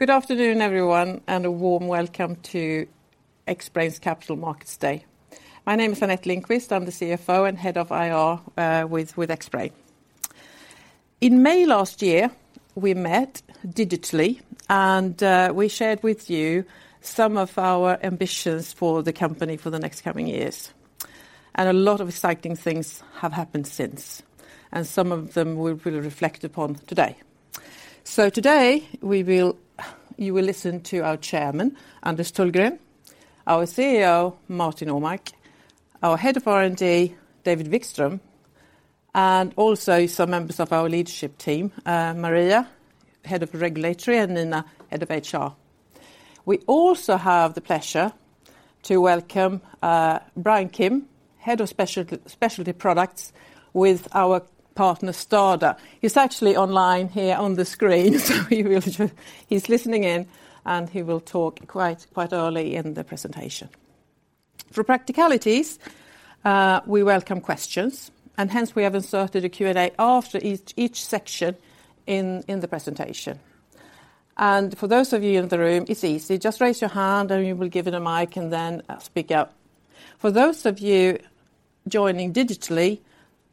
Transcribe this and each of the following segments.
Good afternoon, everyone, and a warm welcome to Xbrane's Capital Markets Day. My name is Anette Lindqvist. I'm the CFO and Head of IR with Xbrane. In May last year, we met digitally, and we shared with you some of our ambitions for the company for the next coming years. A lot of exciting things have happened since. Some of them we'll reflect upon today. Today, you will listen to our Chairman, Anders Tullgren, our CEO, Martin Åmark, our Head of R&D, David Vikström, and also some members of our leadership team, Maria Edebrink, Head of Regulatory, and Nina Ivers, Head of HR. We also have the pleasure to welcome Bryan Kim, Head of Specialty Products with our partner STADA. He's actually online here on the screen, so he will join. He's listening in, and he will talk quite early in the presentation. For practicalities, we welcome questions, and hence we have inserted a Q&A after each section in the presentation. For those of you in the room, it's easy. Just raise your hand and we will give it a mic and then speak up. For those of you joining digitally,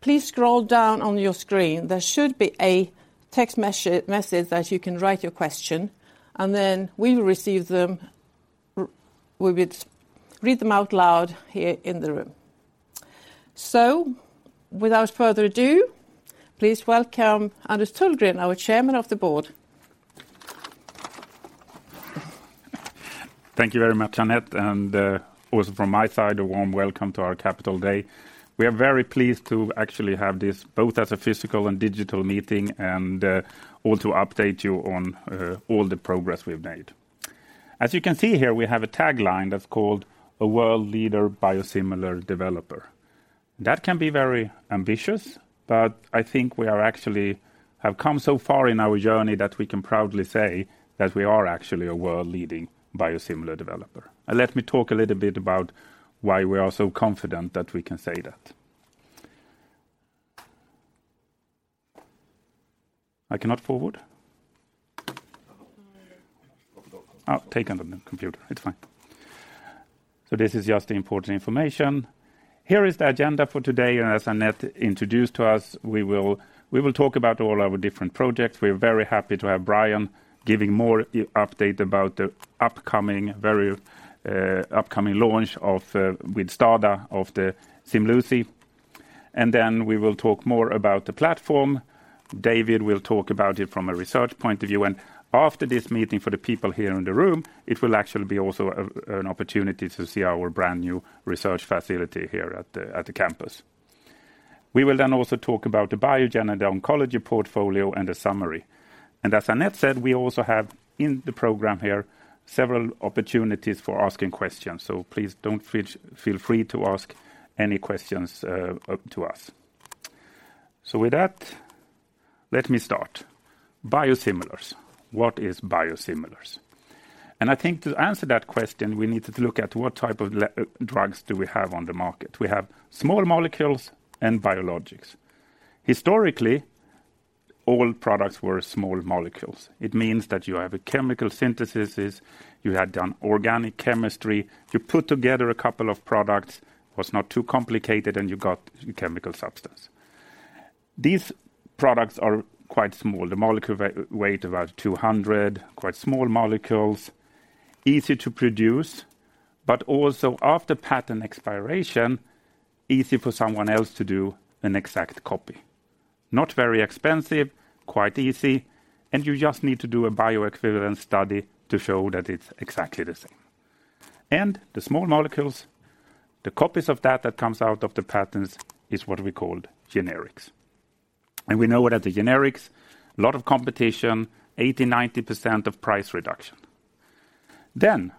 please scroll down on your screen. There should be a text message that you can write your question, and then we will receive them. We will read them out loud here in the room. Without further ado, please welcome Anders Tullgren, our Chairman of the Board. Thank you very much, Anette, and also from my side, a warm welcome to our Capital Day. We are very pleased to actually have this both as a physical and digital meeting and also update you on all the progress we've made. As you can see here, we have a tagline that's called a world leader biosimilar developer. That can be very ambitious, but I think we are actually have come so far in our journey that we can proudly say that we are actually a world leading biosimilar developer. Let me talk a little bit about why we are so confident that we can say that. I cannot forward? I'll take it on the computer. It's fine. This is just the important information. Here is the agenda for today, and as Anette introduced to us, we will talk about all our different projects. We're very happy to have Bryan giving more update about the upcoming launch with STADA of the Ximluci. Then we will talk more about the platform. David Vikström will talk about it from a research point of view. After this meeting, for the people here in the room, it will actually be also an opportunity to see our brand-new research facility here at the campus. We will then also talk about Biogen and the oncology portfolio and a summary. As Anette said, we also have in the program here several opportunities for asking questions, so please feel free to ask any questions to us. With that, let me start. Biosimilars, what is biosimilars? I think to answer that question, we need to look at what type of drugs do we have on the market. We have small molecules and biologics. Historically, all products were small molecules. It means that you have a chemical synthesis, you had done organic chemistry, you put together a couple of products, was not too complicated, and you got chemical substance. These products are quite small. The molecule weighs about 200, quite small molecules, easy to produce, but also after patent expiration, easy for someone else to do an exact copy. Not very expensive, quite easy, and you just need to do a bioequivalence study to show that it's exactly the same. The small molecules, the copies of that that comes out of the patents is what we call generics. We know that the generics, a lot of competition, 80%-90% price reduction.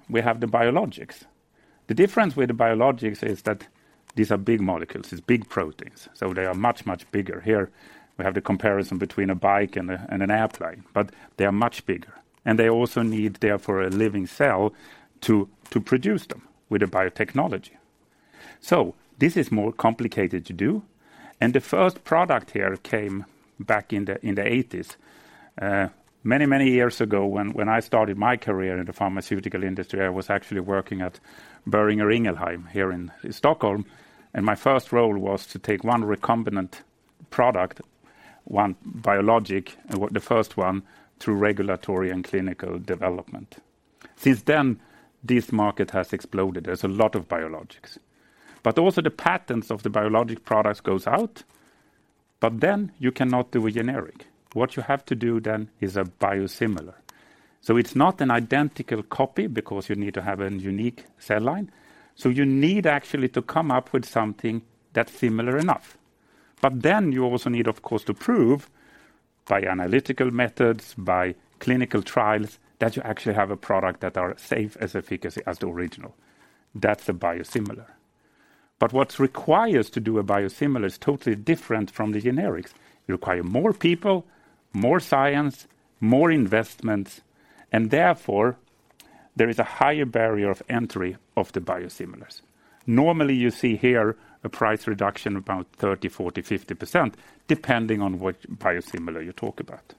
We have the biologics. The difference with the biologics is that these are big molecules. It's big proteins. They are much, much bigger. Here we have the comparison between a bike and an airplane, but they are much bigger, and they also need therefore a living cell to produce them with a biotechnology. This is more complicated to do, and the first product here came back in the 1980s. Many years ago, when I started my career in the pharmaceutical industry, I was actually working at Boehringer Ingelheim here in Stockholm, and my first role was to take one recombinant product, one biologic, and the first one, through regulatory and clinical development. Since then, this market has exploded. There's a lot of biologics. The patents of the biologic products goes out, but then you cannot do a generic. What you have to do then is a biosimilar. It's not an identical copy because you need to have a unique cell line. You need actually to come up with something that's similar enough. You also need, of course, to prove by analytical methods, by clinical trials, that you actually have a product that are as safe, as efficacy as the original. That's a biosimilar. What's required to do a biosimilar is totally different from the generics. You require more people, more science, more investments, and therefore there is a higher barrier of entry of the biosimilars. Normally, you see here a price reduction about 30%, 40%, 50% depending on what biosimilar you talk about.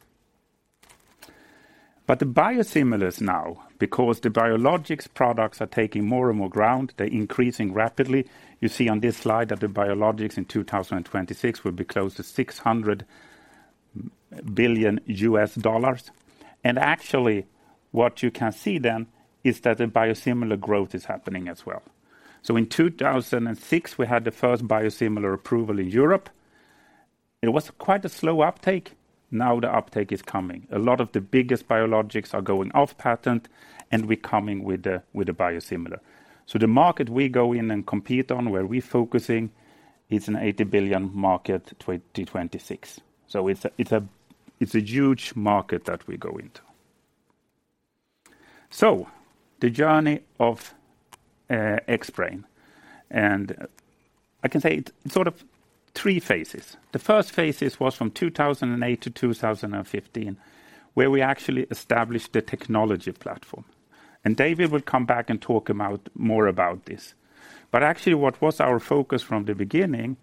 The biosimilars now, because the biologics products are taking more and more ground, they're increasing rapidly. You see on this slide that the biologics in 2026 will be close to $600 billion. Actually, what you can see then is that the biosimilar growth is happening as well. In 2006, we had the first biosimilar approval in Europe. It was quite a slow uptake. Now, the uptake is coming. A lot of the biggest biologics are going off patent, and we're coming with the biosimilar. The market we go in and compete on, where we're focusing, it's an $80 billion market in 2026. It's a huge market that we go into. The journey of Xbrane, I can say it in sort of three phases. The first phase was from 2008 to 2015, where we actually established the technology platform. David will come back and talk about more about this. Actually, what was our focus from the beginning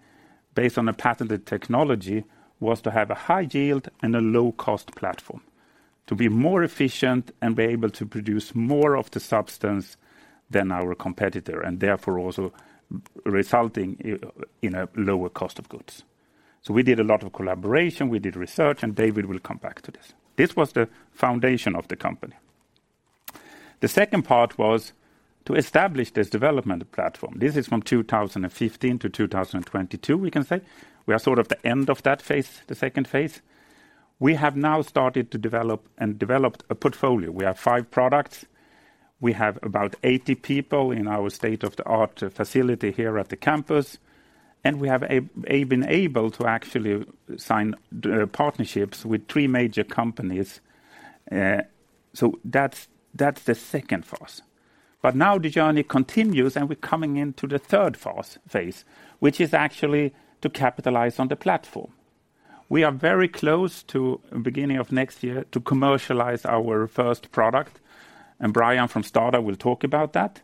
based on a patented technology was to have a high yield and a low-cost platform. To be more efficient and be able to produce more of the substance than our competitor, and therefore also resulting in a lower cost of goods. We did a lot of collaboration, we did research, and David will come back to this. This was the foundation of the company. The second part was to establish this development platform. This is from 2015 to 2022, we can say. We are sort of at the end of that phase, the second phase. We have now started to develop and developed a portfolio. We have five products. We have about 80 people in our state-of-the-art facility here at the campus, and we have been able to actually sign partnerships with three major companies. So that's the second phase. Now the journey continues, and we're coming into the third phase, which is actually to capitalize on the platform. We are very close to beginning of next year to commercialize our first product, and Bryan from STADA will talk about that.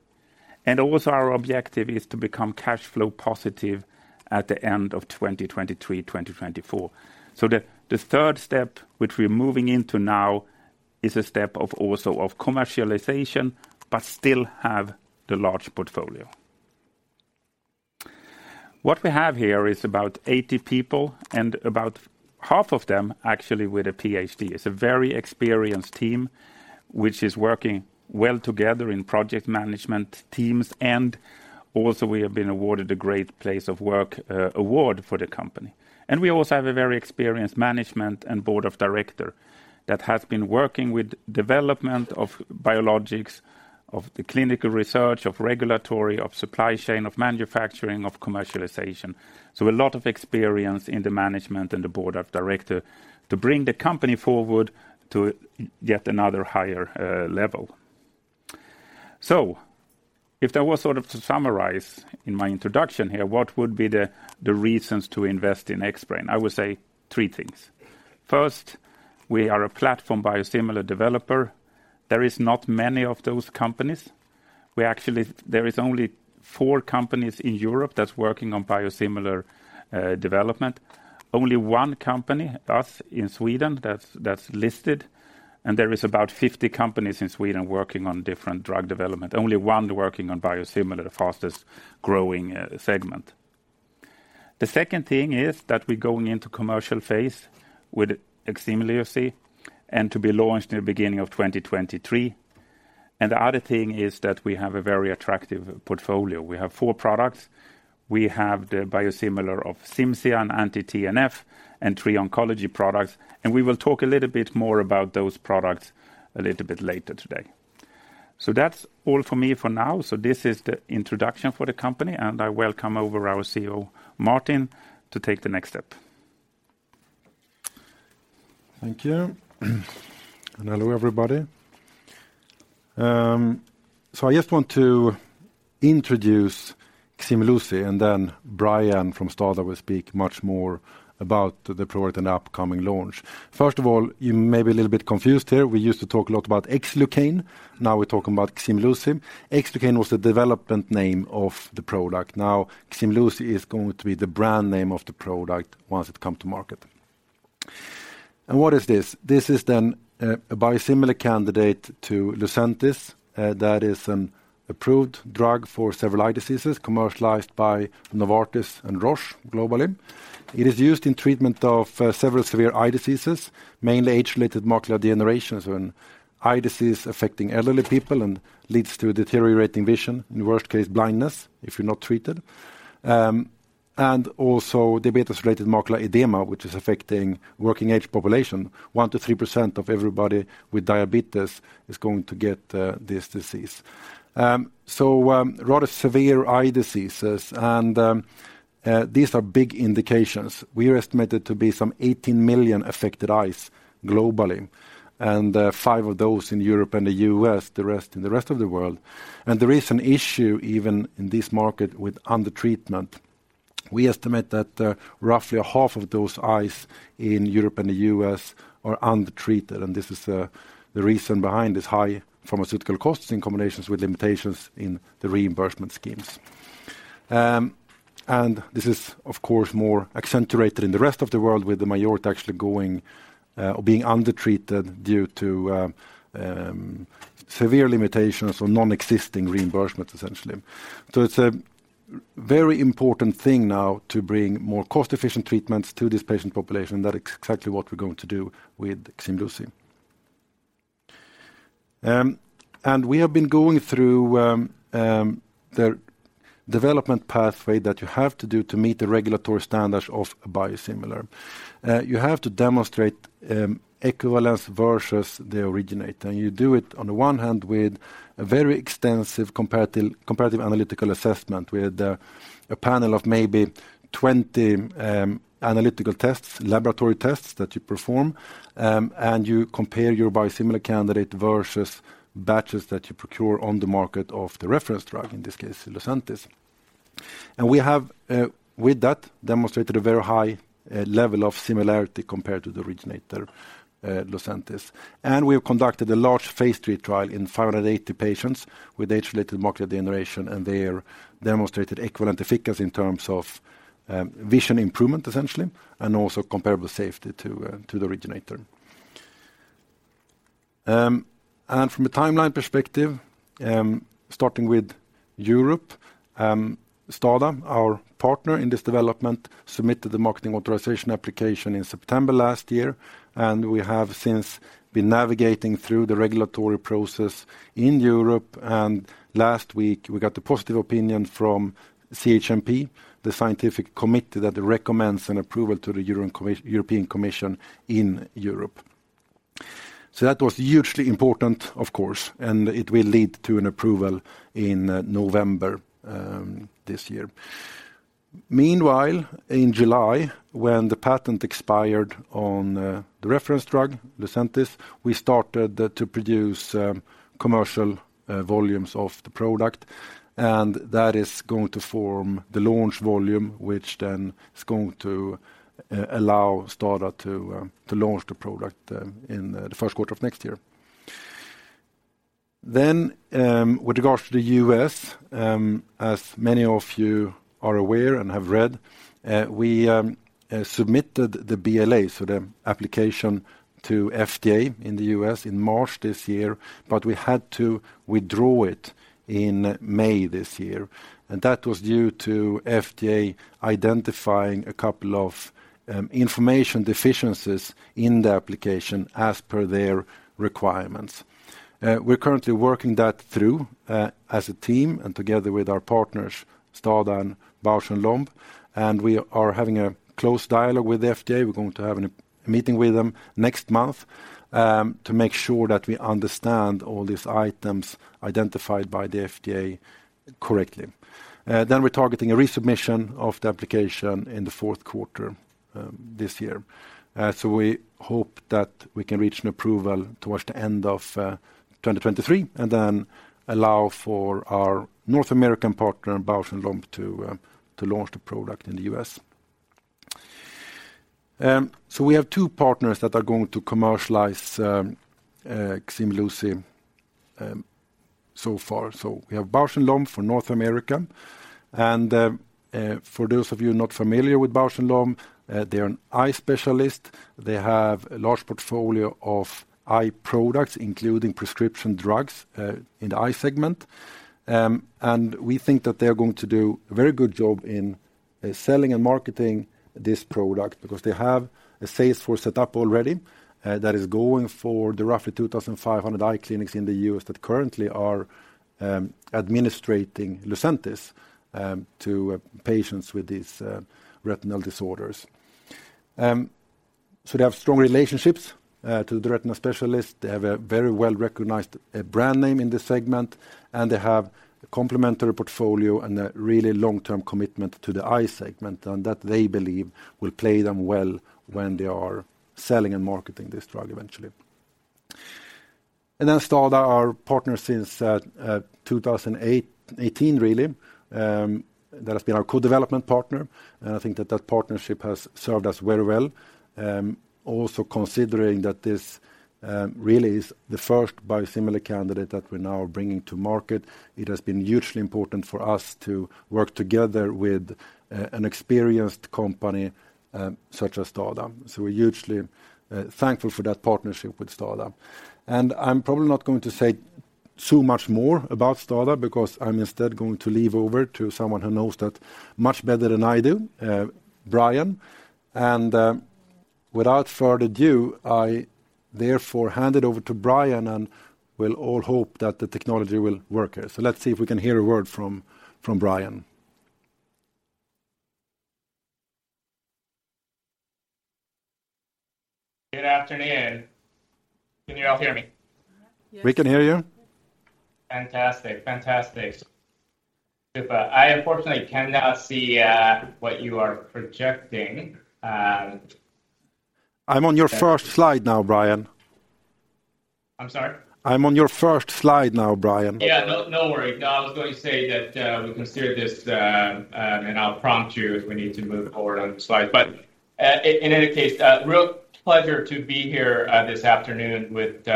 Also, our objective is to become cash flow positive at the end of 2023/2024. The third step, which we're moving into now, is a step of also of commercialization but still have the large portfolio. What we have here is about 80 people and about half of them actually with a PhD. It's a very experienced team which is working well together in project management teams and also we have been awarded a Great Place to Work award for the company. We also have a very experienced Management and Board of Directors that has been working with development of biologics, of the clinical research, of regulatory, of supply chain, of manufacturing, of commercialization. A lot of experience in the Management and the Board of Directors to bring the company forward to yet another higher level. If that was sort of to summarize in my introduction here, what would be the reasons to invest in Xbrane? I would say three things. First, we are a platform biosimilar developer. There is not many of those companies. We actually. There is only four companies in Europe that's working on biosimilar development. Only one company, us, in Sweden that's listed, and there is about 50 companies in Sweden working on different drug development. Only one working on biosimilar, the fastest growing segment. The second thing is that we're going into commercial phase with Ximluci and to be launched in the beginning of 2023. The other thing is that we have a very attractive portfolio. We have four products. We have the biosimilar of Cimzia, an anti-TNF, and three oncology products, and we will talk a little bit more about those products a little bit later today. That's all for me for now. This is the introduction for the company, and I welcome over our CEO, Martin, to take the next step. Thank you. Hello, everybody. I just want to introduce Ximluci, and then Bryan from STADA will speak much more about the product and upcoming launch. First of all, you may be a little bit confused here. We used to talk a lot about Xlucane, now we're talking about Ximluci. Xlucane was the development name of the product. Now, Ximluci is going to be the brand name of the product once it come to market. What is this? This is then a biosimilar candidate to Lucentis, that is an approved drug for several eye diseases commercialized by Novartis and Roche globally. It is used in treatment of several severe eye diseases, mainly age-related macular degeneration, so an eye disease affecting elderly people and leads to deteriorating vision, in worst case, blindness if you're not treated. Also, diabetic macular edema, which is affecting working-age population. 1%-3% of everybody with diabetes is going to get this disease. A lot of severe eye diseases and these are big indications. We are estimated to be some 18 million affected eyes globally, and five of those in Europe and the U.S., the rest in the rest of the world. There is an issue even in this market with undertreatment. We estimate that roughly half of those eyes in Europe and the U.S. Are undertreated, and this is the reason behind this high pharmaceutical costs in combination with limitations in the reimbursement schemes. This is of course more accentuated in the rest of the world, with the majority actually going or being undertreated due to severe limitations or nonexistent reimbursement, essentially. It's a very important thing now to bring more cost-efficient treatments to this patient population, and that is exactly what we're going to do with Ximluci. We have been going through the development pathway that you have to do to meet the regulatory standards of a biosimilar. You have to demonstrate equivalence versus the originator, and you do it on the one hand with a very extensive comparative analytical assessment with a panel of maybe 20 analytical tests, laboratory tests that you perform. You compare your biosimilar candidate versus batches that you procure on the market of the reference drug, in this case, Lucentis. We have with that demonstrated a very high level of similarity compared to the originator, Lucentis. We have conducted a large phase III trial in 580 patients with age-related macular degeneration, and they are demonstrated equivalent efficacy in terms of vision improvement, essentially, and also comparable safety to the originator. From a timeline perspective, starting with Europe, STADA, our partner in this development, submitted the marketing authorization application in September last year, and we have since been navigating through the regulatory process in Europe. Last week, we got a positive opinion from CHMP, the scientific committee that recommends an approval to the European Commission in Europe. That was hugely important, of course, and it will lead to an approval in November this year. Meanwhile, in July, when the patent expired on the reference drug, Lucentis, we started to produce commercial volumes of the product, and that is going to form the launch volume, which then is going to allow STADA to launch the product in the first quarter of next year. With regards to the U.S., as many of you are aware and have read, we submitted the BLA, so the application to FDA in the U.S. in March this year, but we had to withdraw it in May this year. That was due to FDA identifying a couple of information deficiencies in the application as per their requirements. We're currently working that through as a team and together with our partners, STADA and Bausch + Lomb, and we are having a close dialogue with the FDA. We're going to have a meeting with them next month to make sure that we understand all these items identified by the FDA correctly. Then we're targeting a resubmission of the application in the fourth quarter this year. We hope that we can reach an approval towards the end of 2023 and then allow for our North American partner, Bausch + Lomb, to launch the product in the U.S. We have two partners that are going to commercialize Ximluci so far. We have Bausch + Lomb for North America. For those of you not familiar with Bausch + Lomb, they're an eye specialist. They have a large portfolio of eye products, including prescription drugs in the eye segment. We think that they're going to do a very good job in selling and marketing this product because they have a sales force set up already that is going for the roughly 2,500 eye clinics in the U.S. that currently are administering Lucentis to patients with these retinal disorders. They have strong relationships to the retinal specialist. They have a very well-recognized brand name in this segment, and they have a complementary portfolio and a really long-term commitment to the eye segment, and that they believe will play them well when they are selling and marketing this drug eventually. STADA is our partner since 2018 really, that has been our co-development partner. I think that partnership has served us very well. Also considering that this really is the first biosimilar candidate that we're now bringing to market, it has been hugely important for us to work together with an experienced company such as STADA. We're hugely thankful for that partnership with STADA. I'm probably not going to say so much more about STADA because I'm instead going to hand over to someone who knows that much better than I do, Bryan. Without further ado, I therefore hand it over to Bryan and we'll all hope that the technology will work here. Let's see if we can hear a word from Bryan. Good afternoon. Can you all hear me? We can hear you. Fantastic. Super. I unfortunately cannot see what you are projecting. I'm on your first slide now, Bryan. I'm sorry? I'm on your first slide now, Bryan. Yeah. No worry. I was going to say that, we can steer this, and I'll prompt you if we need to move forward on the slides. In any case, a real pleasure to be here this afternoon with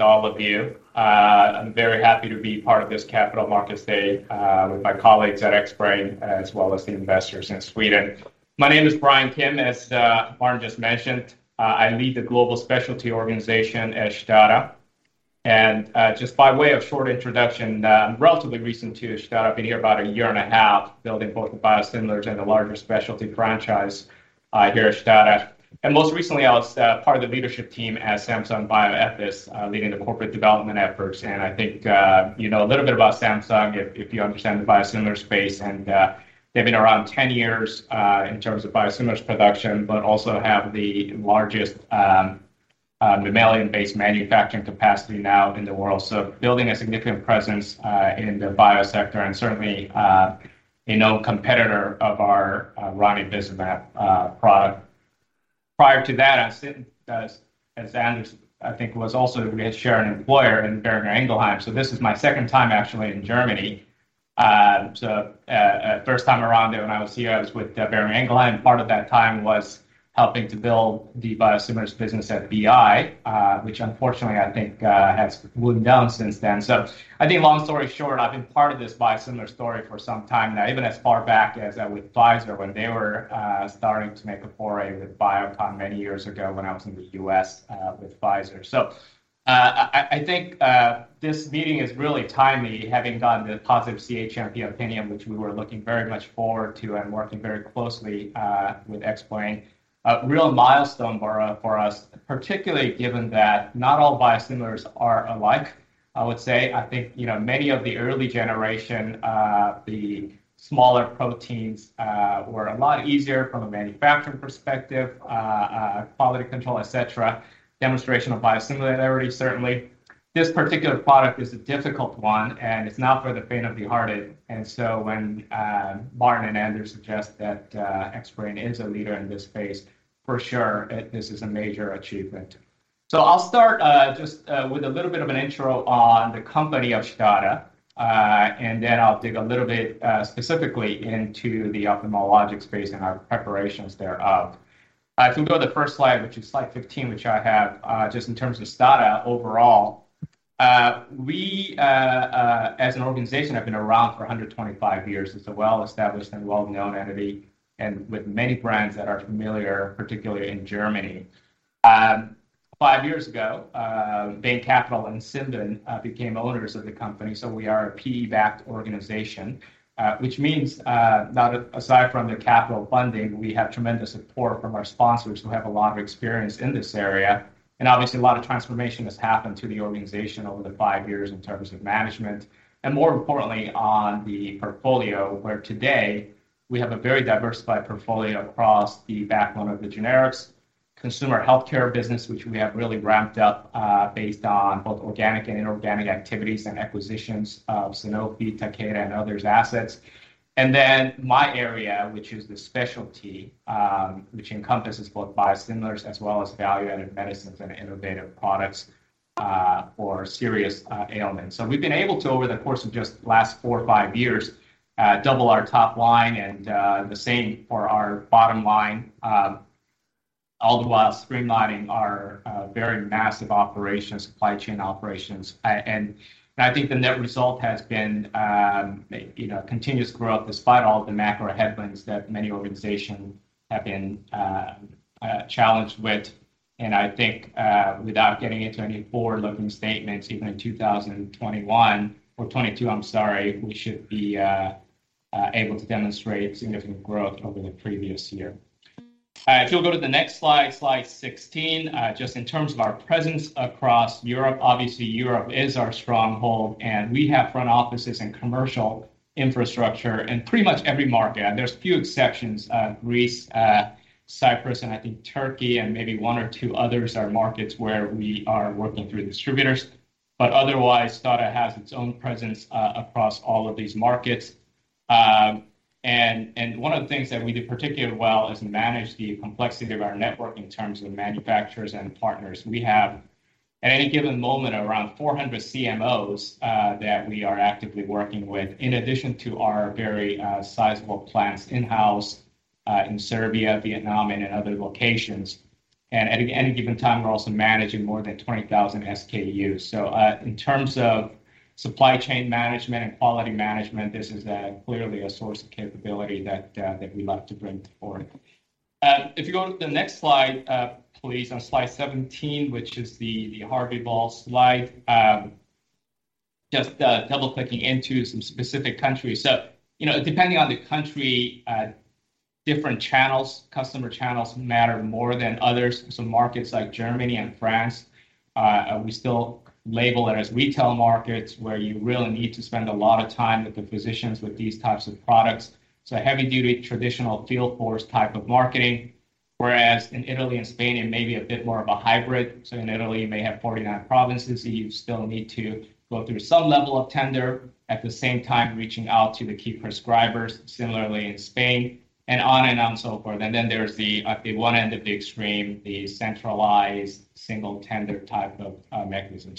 all of you. I'm very happy to be part of this Capital Markets Day with my colleagues at Xbrane as well as the investors in Sweden. My name is Bryan Kim, as Martin just mentioned. I lead the global specialty organization at STADA. Just by way of short introduction, I'm relatively recent to STADA. I've been here about a year and a half building both the biosimilars and the larger specialty franchise here at STADA. Most recently I was part of the leadership team at Samsung Bioepis leading the corporate development efforts. I think you know a little bit about Samsung if you understand the biosimilar space and they've been around 10 years in terms of biosimilars production but also have the largest mammalian-based manufacturing capacity now in the world. Building a significant presence in the bio sector and certainly a known competitor of our ranibizumab product. Prior to that, I sit as Anders I think was also we had a shared employer in Boehringer Ingelheim. This is my second time actually in Germany. At first time around there when I was here, I was with Boehringer Ingelheim. Part of that time was helping to build the biosimilars business at BI, which unfortunately I think, has wound down since then. I think long story short, I've been part of this biosimilar story for some time now. Even as far back as, with Pfizer when they were, starting to make a foray with Biocon many years ago when I was in the U.S., with Pfizer. I think this meeting is really timely having gotten the positive CHMP opinion, which we were looking very much forward to and working very closely, with Xbrane. A real milestone for us, particularly given that not all biosimilars are alike, I would say. I think, you know, many of the early generation, the smaller proteins, were a lot easier from a manufacturing perspective, quality control, et cetera, demonstration of biosimilarity certainly. This particular product is a difficult one, and it's not for the faint of the hearted. When Martin Åmark and Anders Tullgren suggest that Xbrane is a leader in this space, for sure, this is a major achievement. I'll start just with a little bit of an intro on the company of STADA, and then I'll dig a little bit specifically into the ophthalmologic space and our preparations thereof. If we go to the first slide, which is slide 15, which I have just in terms of STADA overall. We as an organization have been around for 125 years. It's a well-established and well-known entity and with many brands that are familiar, particularly in Germany. Five years ago, Bain Capital and Cinven became owners of the company, so we are a PE-backed organization. Which means that aside from the capital funding, we have tremendous support from our sponsors who have a lot of experience in this area. Obviously, a lot of transformation has happened to the organization over the five years in terms of management and more importantly on the portfolio, where today we have a very diversified portfolio across the backbone of the generics consumer healthcare business, which we have really ramped up based on both organic and inorganic activities and acquisitions of Sanofi, Takeda, and others' assets. Then my area, which is the specialty, which encompasses both biosimilars as well as value-added medicines and innovative products, for serious ailments. We've been able to, over the course of just last four or five years, double our top line and, the same for our bottom line. All the while streamlining our very massive operations, supply chain operations. I think the net result has been, you know, continuous growth despite all the macro headwinds that many organizations have been challenged with. I think, without getting into any forward-looking statements, even in 2021 or 2022, I'm sorry, we should be able to demonstrate significant growth over the previous year. If you'll go to the next slide 16. Just in terms of our presence across Europe, obviously Europe is our stronghold, and we have front offices and commercial infrastructure in pretty much every market. There's a few exceptions, Greece, Cyprus, and I think Turkey and maybe one or two others are markets where we are working through distributors. Otherwise, STADA has its own presence across all of these markets. One of the things that we do particularly well is manage the complexity of our network in terms of manufacturers and partners. We have at any given moment around 400 CMOs that we are actively working with, in addition to our very sizable plants in-house in Serbia, Vietnam, and in other locations. At any given time, we're also managing more than 20,000 SKUs. In terms of supply chain management and quality management, this is clearly a source of capability that we love to bring forward. If you go to the next slide, please, on slide 17, which is the Harvey ball slide. Just double-clicking into some specific countries. You know, depending on the country, different channels, customer channels matter more than others. Some markets like Germany and France, we still label it as retail markets where you really need to spend a lot of time with the physicians with these types of products. A heavy-duty traditional field force type of marketing, whereas in Italy and Spain, it may be a bit more of a hybrid. In Italy, you may have 49 provinces, so you still need to go through some level of tender. At the same time reaching out to the key prescribers, similarly in Spain and on and on so forth. There's the one end of the extreme, the centralized single tender type of mechanism.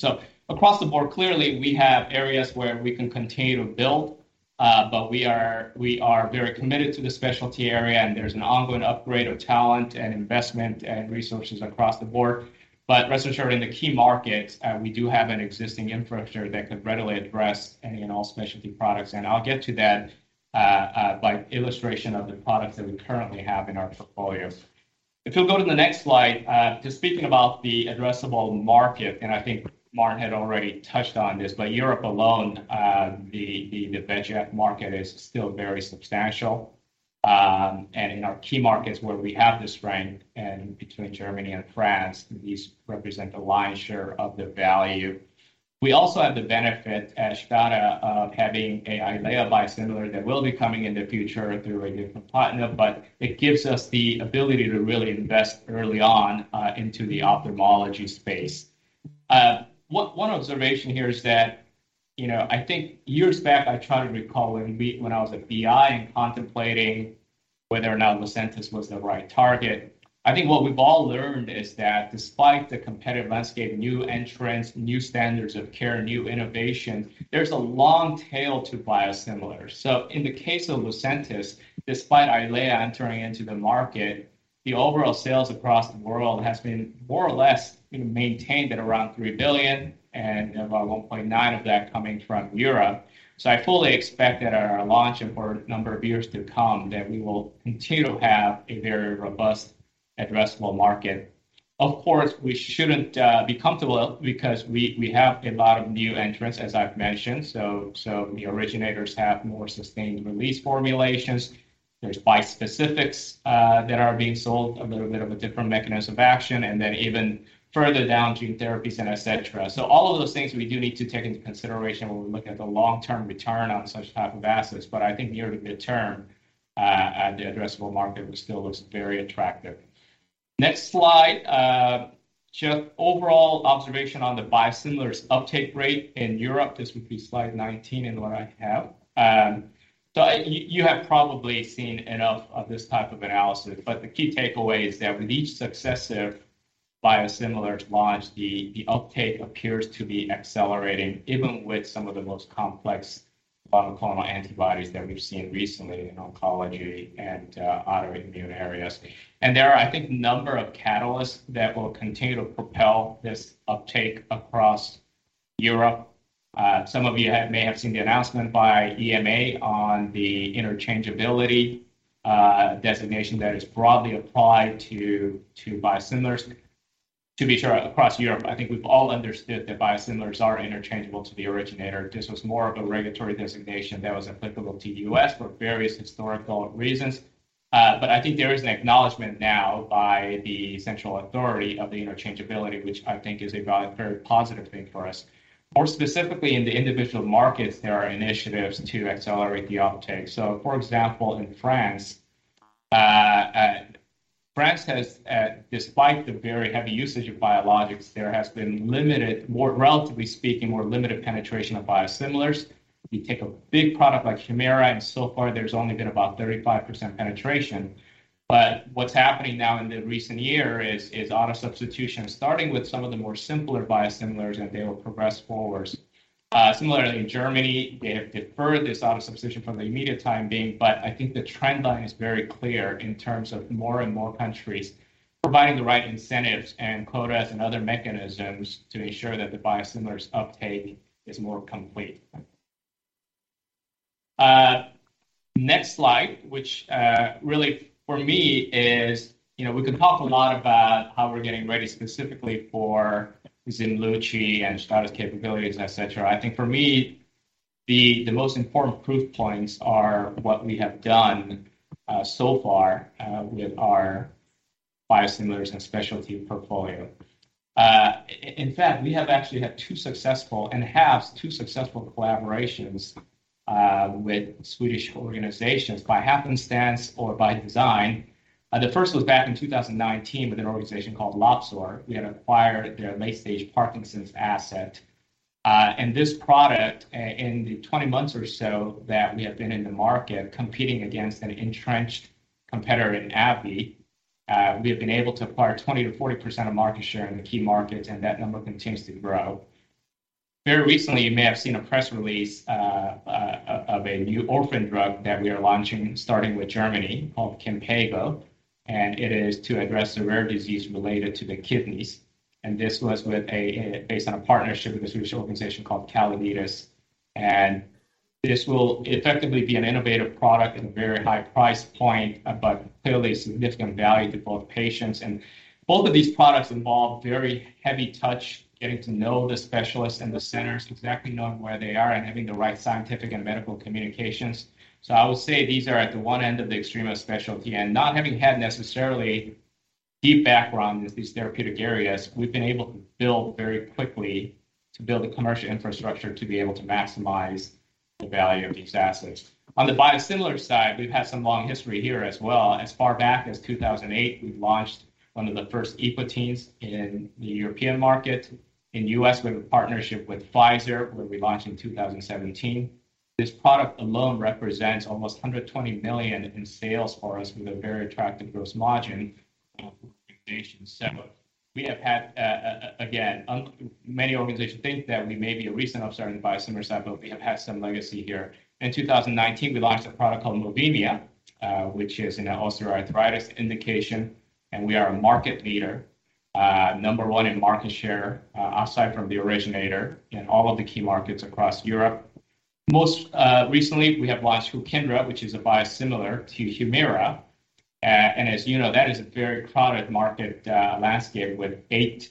Across the board, clearly, we have areas where we can continue to build. We are very committed to the specialty area, and there's an ongoing upgrade of talent and investment and resources across the board. Rest assured in the key markets, we do have an existing infrastructure that could readily address any and all specialty products. I'll get to that by illustration of the products that we currently have in our portfolio. If you'll go to the next slide, just speaking about the addressable market, and I think Martin had already touched on this, but Europe alone, the bevacizumab market is still very substantial. In our key markets where we have the strength and between Germany and France, these represent the lion's share of the value. We also have the benefit at STADA of having a Eylea biosimilar that will be coming in the future through a different partner, but it gives us the ability to really invest early on into the ophthalmology space. One observation here is that, you know, I think years back, I try to recall when I was at BI and contemplating whether or not Lucentis was the right target. I think what we've all learned is that despite the competitive landscape, new entrants, new standards of care, new innovation, there's a long tail to biosimilars. In the case of Lucentis, despite Eylea entering into the market, the overall sales across the world has been more or less, you know, maintained atyy around $3 billion and about $1.9 billion of that coming from Europe. I fully expect that at our launch and for a number of years to come that we will continue to have a very robust addressable market. Of course, we shouldn't be comfortable because we have a lot of new entrants, as I've mentioned. The originators have more sustained release formulations. There's bispecifics that are being sold, a little bit of a different mechanism of action, and then even further down gene therapies and et cetera. All of those things we do need to take into consideration when we look at the long-term return on such type of assets. I think near to midterm, the addressable market still looks very attractive. Next slide. Just overall observation on the biosimilars uptake rate in Europe. This would be slide 19 in what I have. You have probably seen enough of this type of analysis, but the key takeaway is that with each successive biosimilar launch, the uptake appears to be accelerating, even with some of the most complex monoclonal antibodies that we've seen recently in oncology and autoimmune areas. There are, I think, number of catalysts that will continue to propel this uptake across Europe. Some of you may have seen the announcement by EMA on the interchangeability designation that is broadly applied to biosimilars. To be sure, across Europe, I think we've all understood that biosimilars are interchangeable to the originator. This was more of a regulatory designation that was applicable to the U.S. for various historical reasons. I think there is an acknowledgment now by the central authority of the interchangeability, which I think is a very positive thing for us. More specifically, in the individual markets, there are initiatives to accelerate the uptake. For example, in France has, despite the very heavy usage of biologics, there has been limited, relatively speaking, more limited penetration of biosimilars. If you take a big product like Humira, so far there's only been about 35% penetration. What's happening now in the recent year is auto-substitution, starting with some of the more simpler biosimilars, and they will progress forwards. Similarly in Germany, they have deferred this auto-substitution for the immediate time being. I think the trend line is very clear in terms of more and more countries providing the right incentives and quotas and other mechanisms to ensure that the biosimilars uptake is more complete. Next slide, which really for me is, you know, we can talk a lot about how we're getting ready specifically for Ximluci and STADA's capabilities, et cetera. I think for me, the most important proof points are what we have done so far with our biosimilars and specialty portfolio. In fact, we have actually had two successful and have two successful collaborations with Swedish organizations by happenstance or by design. The first was back in 2019 with an organization called Lobsor. We had acquired their late-stage Parkinson's asset. This product in the 20 months or so that we have been in the market competing against an entrenched competitor in AbbVie, we have been able to acquire 20%-40% of market share in the key markets, and that number continues to grow. Very recently, you may have seen a press release of a new orphan drug that we are launching starting with Germany called Kinpeygo, and it is to address a rare disease related to the kidneys. This was based on a partnership with a Swedish organization called Calliditas. This will effectively be an innovative product at a very high price point, but clearly significant value to both patients. Both of these products involve very high touch, getting to know the specialists and the centers, exactly knowing where they are, and having the right scientific and medical communications. I would say these are at the one end of the extreme of specialty. Not having had necessarily deep background in these therapeutic areas, we've been able to build very quickly the commercial infrastructure to be able to maximize the value of these assets. On the biosimilar side, we've had some long history here as well. As far back as 2008, we've launched one of the first epoetins in the European market. In the U.S., we have a partnership with Pfizer, where we launched in 2017. This product alone represents almost 120 million in sales for us with a very attractive gross margin. We have had, again, many organizations think that we may be a recent entrant biosimilar site, but we have had some legacy here. In 2019, we launched a product called Movymia, which is an osteoporosis indication, and we are a market leader, number one in market share, aside from the originator in all of the key markets across Europe. Most recently, we have launched Hukyndra, which is a biosimilar to Humira. As you know, that is a very crowded market landscape with eight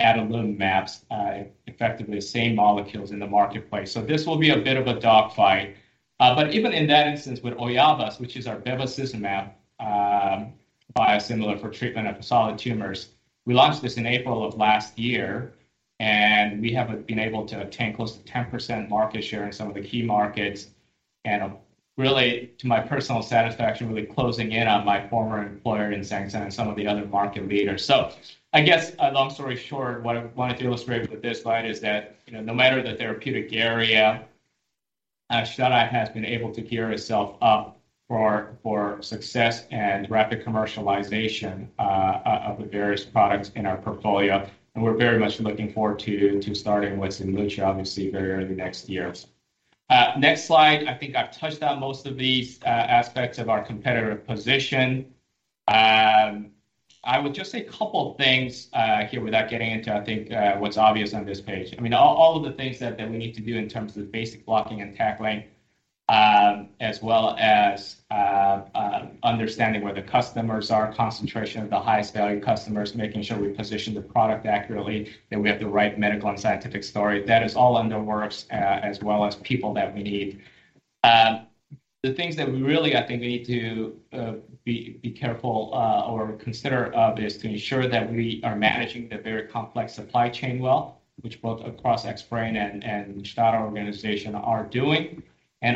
adalimumab, effectively the same molecules in the marketplace. This will be a bit of a dogfight. But even in that instance with Oyavas, which is our bevacizumab, biosimilar for treatment of solid tumors. We launched this in April of last year, and we have been able to attain close to 10% market share in some of the key markets, and really, to my personal satisfaction, really closing in on my former employer in Samsung and some of the other market leaders. I guess a long story short, what I wanted to illustrate with this slide is that, you know, no matter the therapeutic area, STADA has been able to gear itself up for success and rapid commercialization of the various products in our portfolio. We're very much looking forward to starting Ximluci obviously very early next year. Next slide. I think I've touched on most of these aspects of our competitive position. I would just say a couple things here without getting into, I think, what's obvious on this page. I mean, all of the things that we need to do in terms of basic blocking and tackling, as well as understanding where the customers are, concentration of the highest value customers, making sure we position the product accurately, that we have the right medical and scientific story. That is all underway, as well as people that we need. The things that we really, I think we need to be careful or consider is to ensure that we are managing the very complex supply chain well, which both across Xbrane and STADA organization are doing.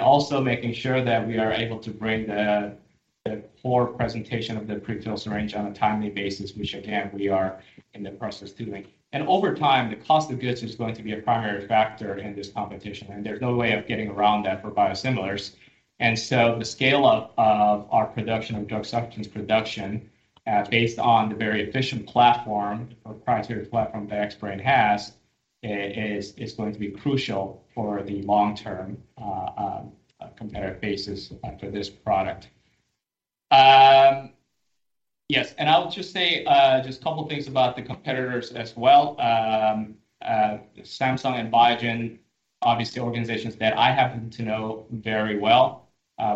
Also making sure that we are able to bring the core presentation of the pre-filled syringe on a timely basis, which again, we are in the process doing. Over time, the cost of goods is going to be a primary factor in this competition, and there's no way of getting around that for biosimilars. The scale of our production of drug substance production based on the very efficient platform or proprietary platform that Xbrane has is going to be crucial for the long term competitive basis for this product. Yes. I'll just say just a couple things about the competitors as well. Samsung and Biogen, obviously, organizations that I happen to know very well.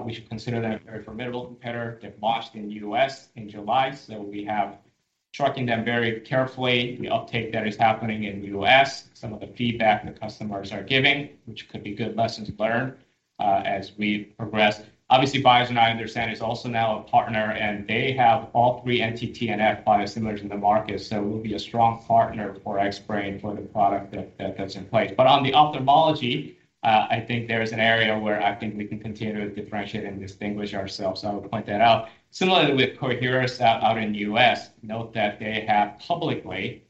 We should consider them a very formidable competitor. They've launched in the U.S. in July, so we are tracking them very carefully. The uptake that is happening in the U.S., some of the feedback the customers are giving, which could be good lessons learned, as we progress. Obviously, Biogen, I understand, is also now a partner, and they have all three anti-TNF biosimilars in the market. It will be a strong partner for Xbrane for the product that's in place. On the ophthalmology, I think there is an area where I think we can continue to differentiate and distinguish ourselves. I would point that out. Similarly, with Coherus out in the U.S., note that they have publicly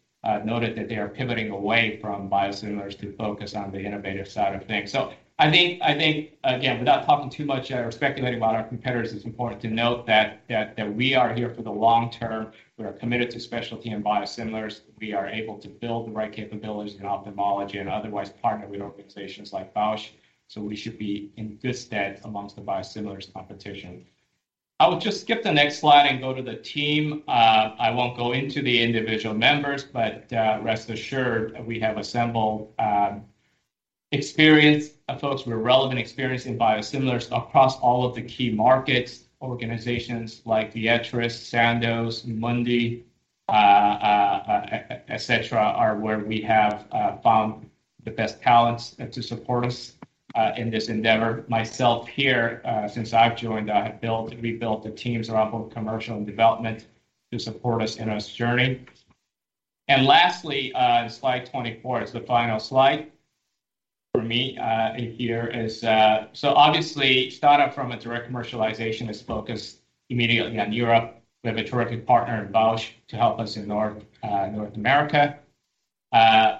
noted that they are pivoting away from biosimilars to focus on the innovative side of things. I think, again, without talking too much or speculating about our competitors, it's important to note that we are here for the long term. We are committed to specialty and biosimilars. We are able to build the right capabilities in ophthalmology and otherwise partner with organizations like Bausch + Lomb. We should be in good stead amongst the biosimilars competition. I would just skip the next slide and go to the team. I won't go into the individual members, but rest assured, we have assembled experienced folks with relevant experience in biosimilars across all of the key markets. Organizations like Viatris, Sandoz, Mundipharma, et cetera, are where we have found the best talents to support us in this endeavor. Myself here, since I've joined, I have built, rebuilt the teams around both commercial and development to support us in this journey. Lastly, slide 24 is the final slide for me. Obviously, STADA from a direct commercialization is focused immediately on Europe. We have a terrific partner in Bausch to help us in North America.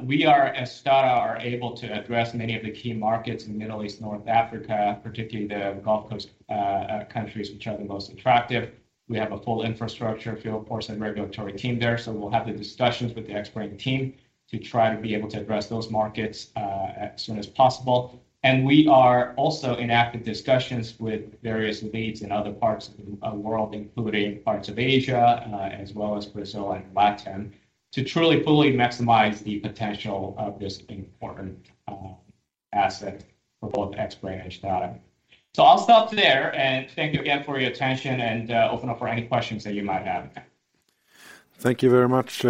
We are, as STADA, able to address many of the key markets in Middle East, North Africa, particularly the GCC countries which are the most attractive. We have a full infrastructure, field force, and regulatory team there. We'll have the discussions with the Xbrane team to try to be able to address those markets, as soon as possible. We are also in active discussions with various leads in other parts of the world, including parts of Asia, as well as Brazil and Latin, to truly, fully maximize the potential of this important asset for both Xbrane and STADA. I'll stop there, and thank you again for your attention and open up for any questions that you might have. Thank you very much,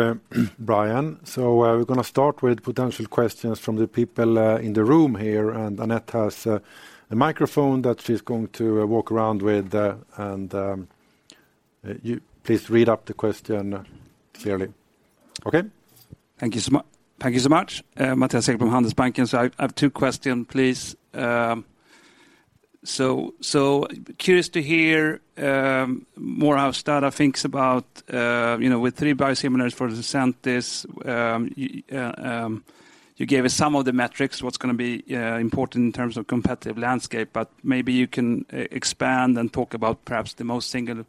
Bryan. We're gonna start with potential questions from the people in the room here. Anette has a microphone that she's going to walk around with, and you please read out the question clearly. Okay? Thank you so much. Mattias Häggblom from Handelsbanken. I have two question, please. Curious to hear more how STADA thinks about, you know, with three biosimilars for the Sandoz. You gave us some of the metrics, what's gonna be important in terms of competitive landscape, but maybe you can expand and talk about perhaps the most single.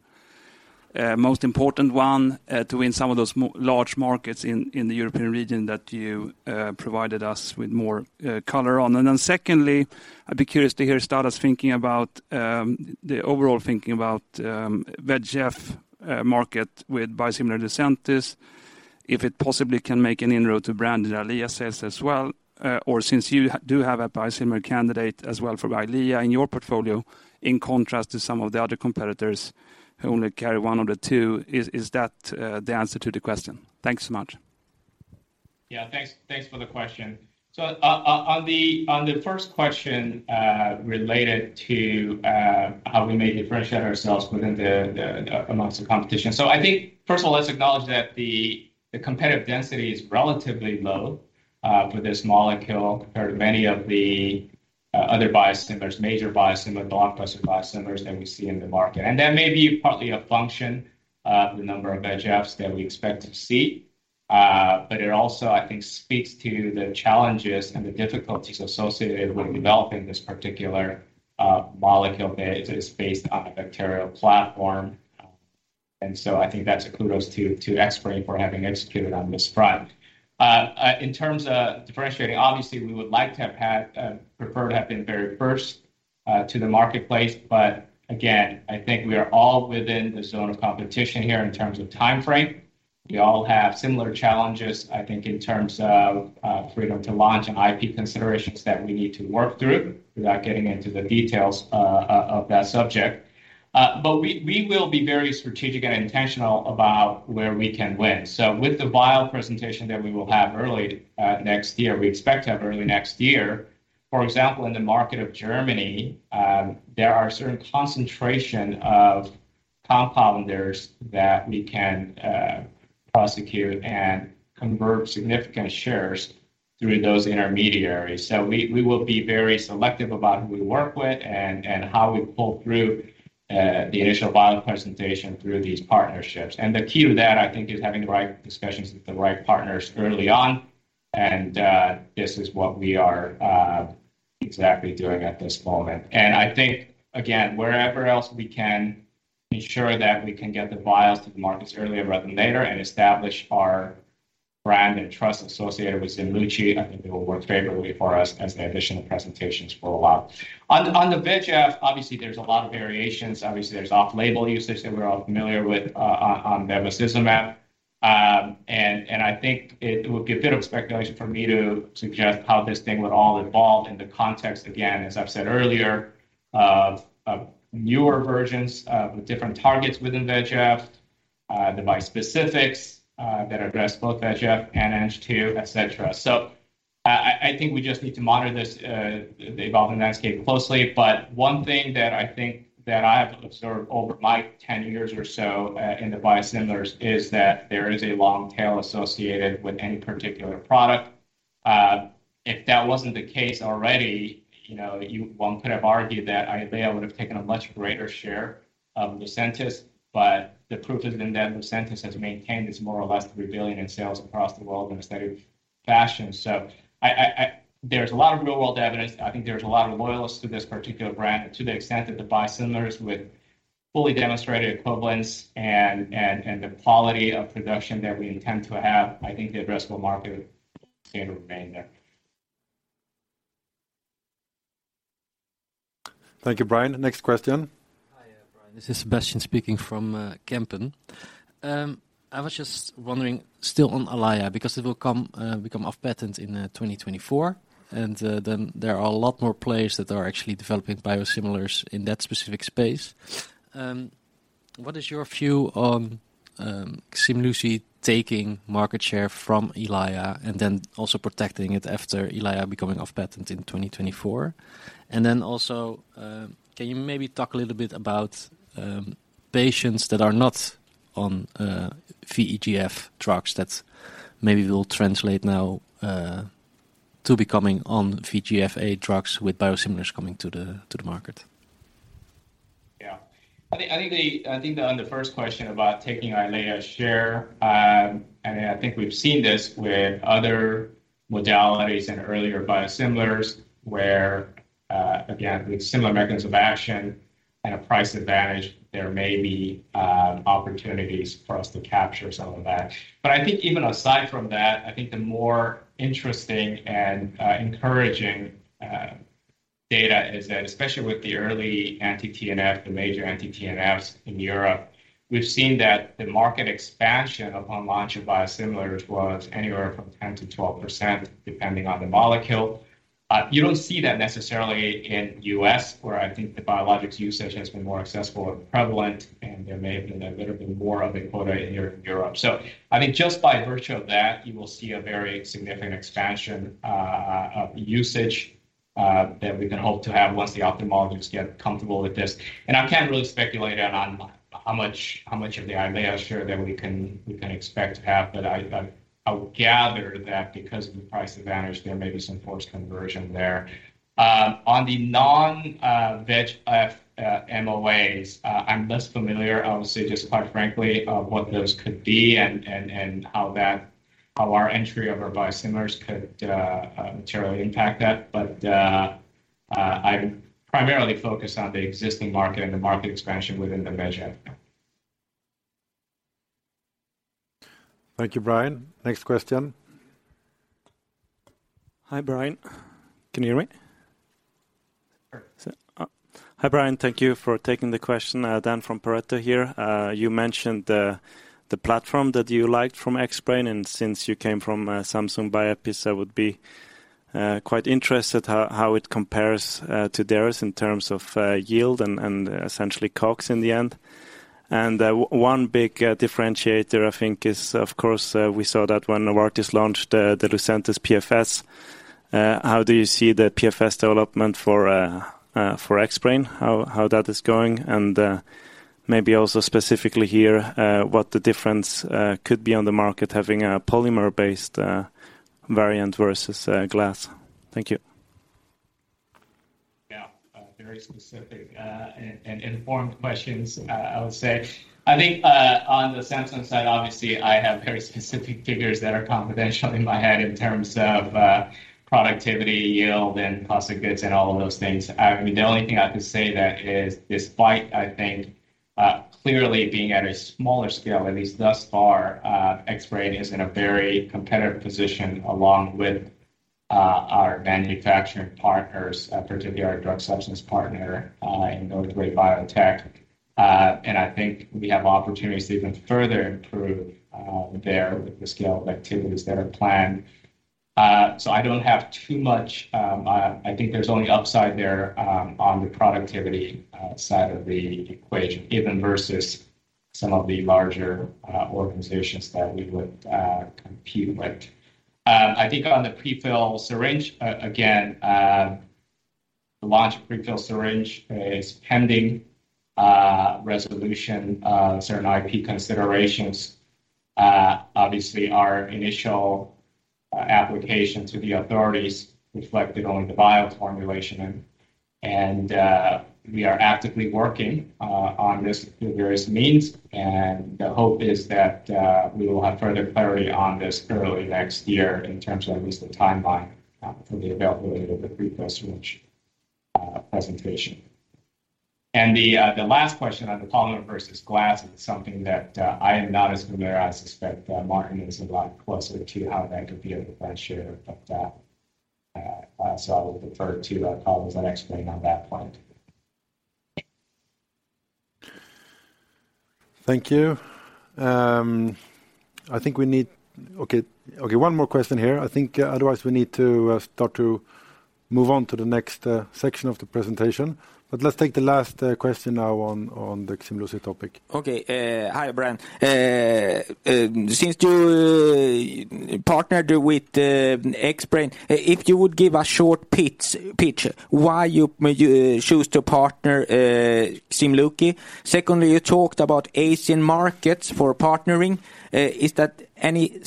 Most important one, to win some of those major markets in the European region that you provided us with more color on. Secondly, I'd be curious to hear, start us thinking about the overall thinking about VEGF market with biosimilar Lucentis, if it possibly can make an inroad to brand Eylea sales as well. Or since you do have a biosimilar candidate as well for Eylea in your portfolio, in contrast to some of the other competitors who only carry one of the two, is that the answer to the question? Thanks so much. Thanks for the question. On the first question, related to how we may differentiate ourselves within the, among the competition. I think first of all, let's acknowledge that the competitive density is relatively low for this molecule compared to many of the other biosimilars, major biosimilar, blockbuster biosimilars that we see in the market. That may be partly a function of the number of VEGFs that we expect to see. But it also, I think, speaks to the challenges and the difficulties associated with developing this particular molecule that is based on a bacterial platform. I think that's a kudos to Xbrane for having executed on this front. In terms of differentiating, obviously we prefer to have been very first to the marketplace. Again, I think we are all within the zone of competition here in terms of timeframe. We all have similar challenges, I think, in terms of freedom to launch and IP considerations that we need to work through without getting into the details of that subject. We will be very strategic and intentional about where we can win. With the BLA presentation that we will have early next year. For example, in the market of Germany, there are certain concentration of compounders that we can prosecute and convert significant shares through those intermediaries. We will be very selective about who we work with and how we pull through the initial BLA presentation through these partnerships. The key to that, I think, is having the right discussions with the right partners early on. This is what we are exactly doing at this moment. I think again, wherever else we can ensure that we can get the bios to the markets earlier rather than later and establish our brand and trust associated with Ximluci, I think it will work favorably for us as the additional presentations roll out. On the VEGF, obviously there's a lot of variations. Obviously, there's off-label usage that we're all familiar with on bevacizumab. I think it would be a bit of speculation for me to suggest how this thing would all evolve in the context, again, as I've said earlier, of newer versions with different targets within VEGF, device specifics that address both VEGF and Ang-2, et cetera. I think we just need to monitor the evolving landscape closely. One thing that I think I have observed over my 10 years or so in the biosimilars is that there is a long tail associated with any particular product. If that wasn't the case already, you know, one could have argued that Eylea would have taken a much greater share of Lucentis. The proof is in that Lucentis has maintained its more or less $3 billion in sales across the world in a steady fashion. There's a lot of real world evidence. I think there's a lot of loyalists to this particular brand. To the extent that the biosimilars with fully demonstrated equivalence and the quality of production that we intend to have, I think the addressable market can remain there. Thank you, Bryan. Next question. Hi, Bryan. This is Sebastiaan speaking from Kempen. I was just wondering, still on Eylea, because it will become off patent in 2024, and then there are a lot more players that are actually developing biosimilars in that specific space. What is your view on Ximluci taking market share from Eylea and then also protecting it after Eylea becoming off patent in 2024? And then also, can you maybe talk a little bit about patients that are not on VEGF drugs that maybe will translate now to becoming on VEGFa drugs with biosimilars coming to the market? Yeah, I think on the first question about taking Eylea share, I mean, I think we've seen this with other modalities and earlier biosimilars where, again, with similar mechanisms of action and a price advantage, there may be opportunities for us to capture some of that. But I think even aside from that, I think the more interesting and encouraging data is that especially with the early anti-TNF, the major anti-TNFs in Europe, we've seen that the market expansion upon launch of biosimilars was anywhere from 10%-12%, depending on the molecule. You don't see that necessarily in U.S., where I think the biologics usage has been more successful and prevalent, and there may have been a bit more of a quota in Europe. I think just by virtue of that, you will see a very significant expansion of usage that we can hope to have once the ophthalmologists get comfortable with this. I can't really speculate on how much of the Eylea share we can expect to have. I would gather that because of the price advantage, there may be some forced conversion there. On the non-VEGF MOAs, I'm less familiar, obviously, just quite frankly, what those could be and how our entry of our biosimilars could materially impact that. I'm primarily focused on the existing market and the market expansion within the measure. Thank you, Bryan. Next question. Hi, Bryan. Can you hear me? Sure. Hi, Bryan. Thank you for taking the question. Dan from Pareto here. You mentioned the platform that you liked from Xbrane, and since you came from Samsung Bioepis, I would be quite interested how it compares to theirs in terms of yield and essentially COGS in the end. One big differentiator I think is, of course, we saw that when Novartis launched the Lucentis PFS. How do you see the PFS development for Xbrane? How that is going? Maybe also specifically here, what the difference could be on the market having a polymer-based variant versus glass. Thank you. Yeah. Very specific and informed questions, I would say. I think on the Samsung side, obviously, I have very specific figures that are confidential in my head in terms of productivity, yield, and plastic goods and all of those things. I mean, the only thing I can say that is despite, I think, clearly being at a smaller scale, at least thus far, Xbrane is in a very competitive position along with our manufacturing partners, particularly our drug substance partner on bothway biotech. I think we have opportunities to even further improve there with the scale of activities that are planned. I don't have too much. I think there's only upside there, on the productivity side of the equation, even versus some of the larger organizations that we would compete with. I think on the pre-filled syringe, again, the launch of pre-filled syringe is pending resolution of certain IP considerations. Obviously, our initial application to the authorities reflected only the vial formulation and we are actively working on this through various means. The hope is that we will have further clarity on this early next year in terms of at least the timeline for the availability of the pre-filled syringe presentation. The last question on the polymer versus glass is something that I am not as familiar. I suspect Martin is a lot closer to how that could be a differentiator, but so I will defer to our colleagues at Xbrane on that point. Thank you. I think we need one more question here. I think otherwise we need to start to move on to the next section of the presentation. Let's take the last question now on the Ximluci topic. Okay. Hi, Bryan. Since you partnered with Xbrane, if you would give a short pitch why you choose to partner Ximluci. Secondly, you talked about Asian markets for partnering. Is there any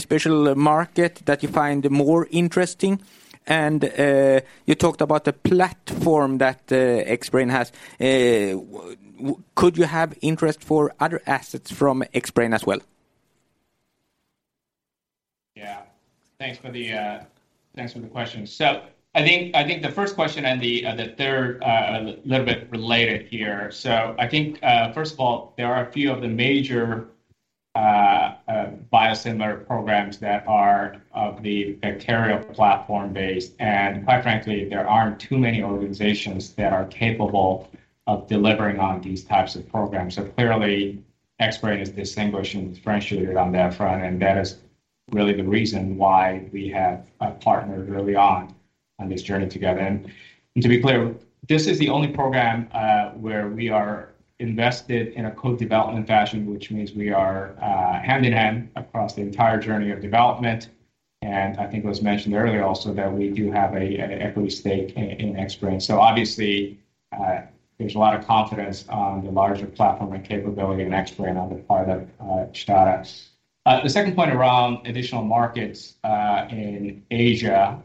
special market that you find more interesting? You talked about the platform that Xbrane has. Would you have interest for other assets from Xbrane as well? Yeah. Thanks for the question. I think the first question and the third are a little bit related here. I think first of all, there are a few of the major biosimilar programs that are of the bacterial platform-based. Quite frankly, there aren't too many organizations that are capable of delivering on these types of programs. Clearly, Xbrane is distinguished and differentiated on that front, and that is really the reason why we have partnered early on this journey together. To be clear, this is the only program where we are invested in a co-development fashion, which means we are hand-in-hand across the entire journey of development. I think it was mentioned earlier also that we do have an equity stake in Xbrane. Obviously, there's a lot of confidence on the larger platform and capability in Xbrane on the part of STADA. The second point around additional markets in Asia,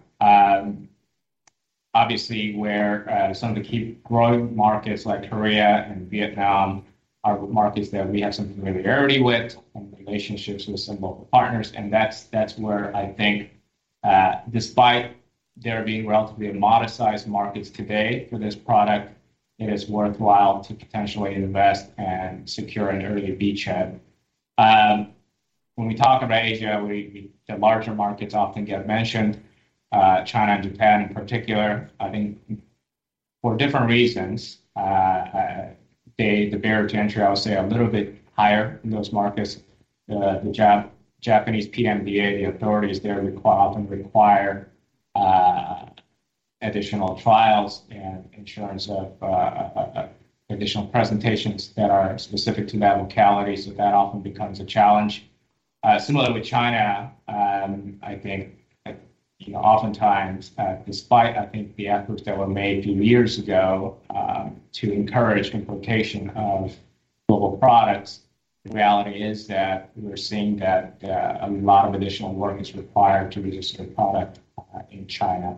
obviously where some of the key growth markets like Korea and Vietnam are markets that we have some familiarity with and relationships with some local partners. That's where I think, despite there being relatively modest sized markets today for this product, it is worthwhile to potentially invest and secure an early beachhead. When we talk about Asia, the larger markets often get mentioned, China and Japan in particular. I think for different reasons, the barrier to entry, I would say, a little bit higher in those markets. The Japanese PMDA, the authorities there often require additional trials and issuance of additional presentations that are specific to that locality, so that often becomes a challenge. Similar with China, I think, you know, oftentimes, despite I think the efforts that were made a few years ago, to encourage importation of global products, the reality is that we're seeing that a lot of additional work is required to register the product in China.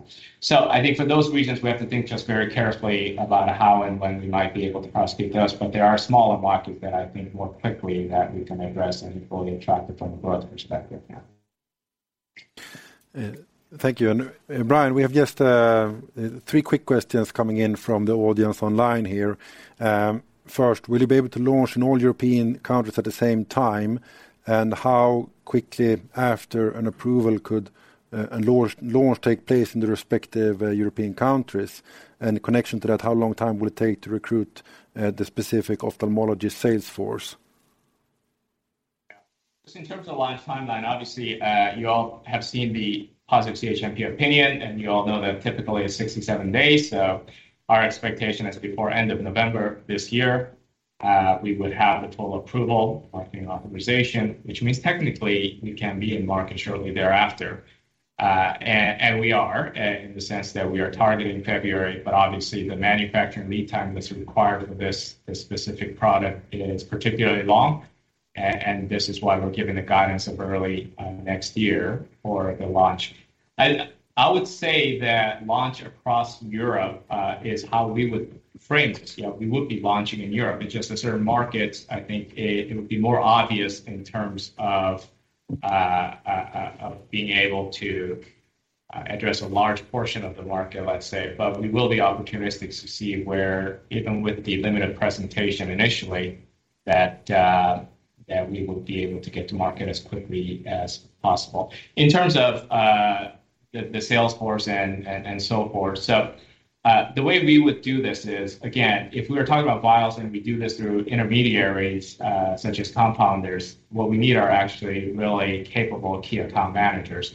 I think for those reasons, we have to think just very carefully about how and when we might be able to prosecute those. There are smaller markets that I think more quickly that we can address and equally attractive from a growth perspective. Yeah. Thank you. Bryan, we have just three quick questions coming in from the audience online here. First, will you be able to launch in all European countries at the same time? How quickly after an approval could a launch take place in the respective European countries? In connection to that, how long time will it take to recruit the specific ophthalmology sales force? Yeah. Just in terms of launch timeline, obviously, you all have seen the positive CHMP opinion, and you all know that typically it's 60, 70 days. Our expectation is before end of November this year, we would have the total approval, marketing authorization, which means technically we can be in market shortly thereafter. We are in the sense that we are targeting February, but obviously the manufacturing lead time that's required for this specific product is particularly long. This is why we're giving the guidance of early next year for the launch. I would say that launch across Europe is how we would frame this. Yeah, we would be launching in Europe. It's just the certain markets, I think it would be more obvious in terms of being able to address a large portion of the market, let's say. We will be opportunistic to see where even with the limited presentation initially that we will be able to get to market as quickly as possible. In terms of the sales force and so forth. The way we would do this is, again, if we were talking about vials, and we do this through intermediaries such as compounders, what we need are actually really capable key account managers.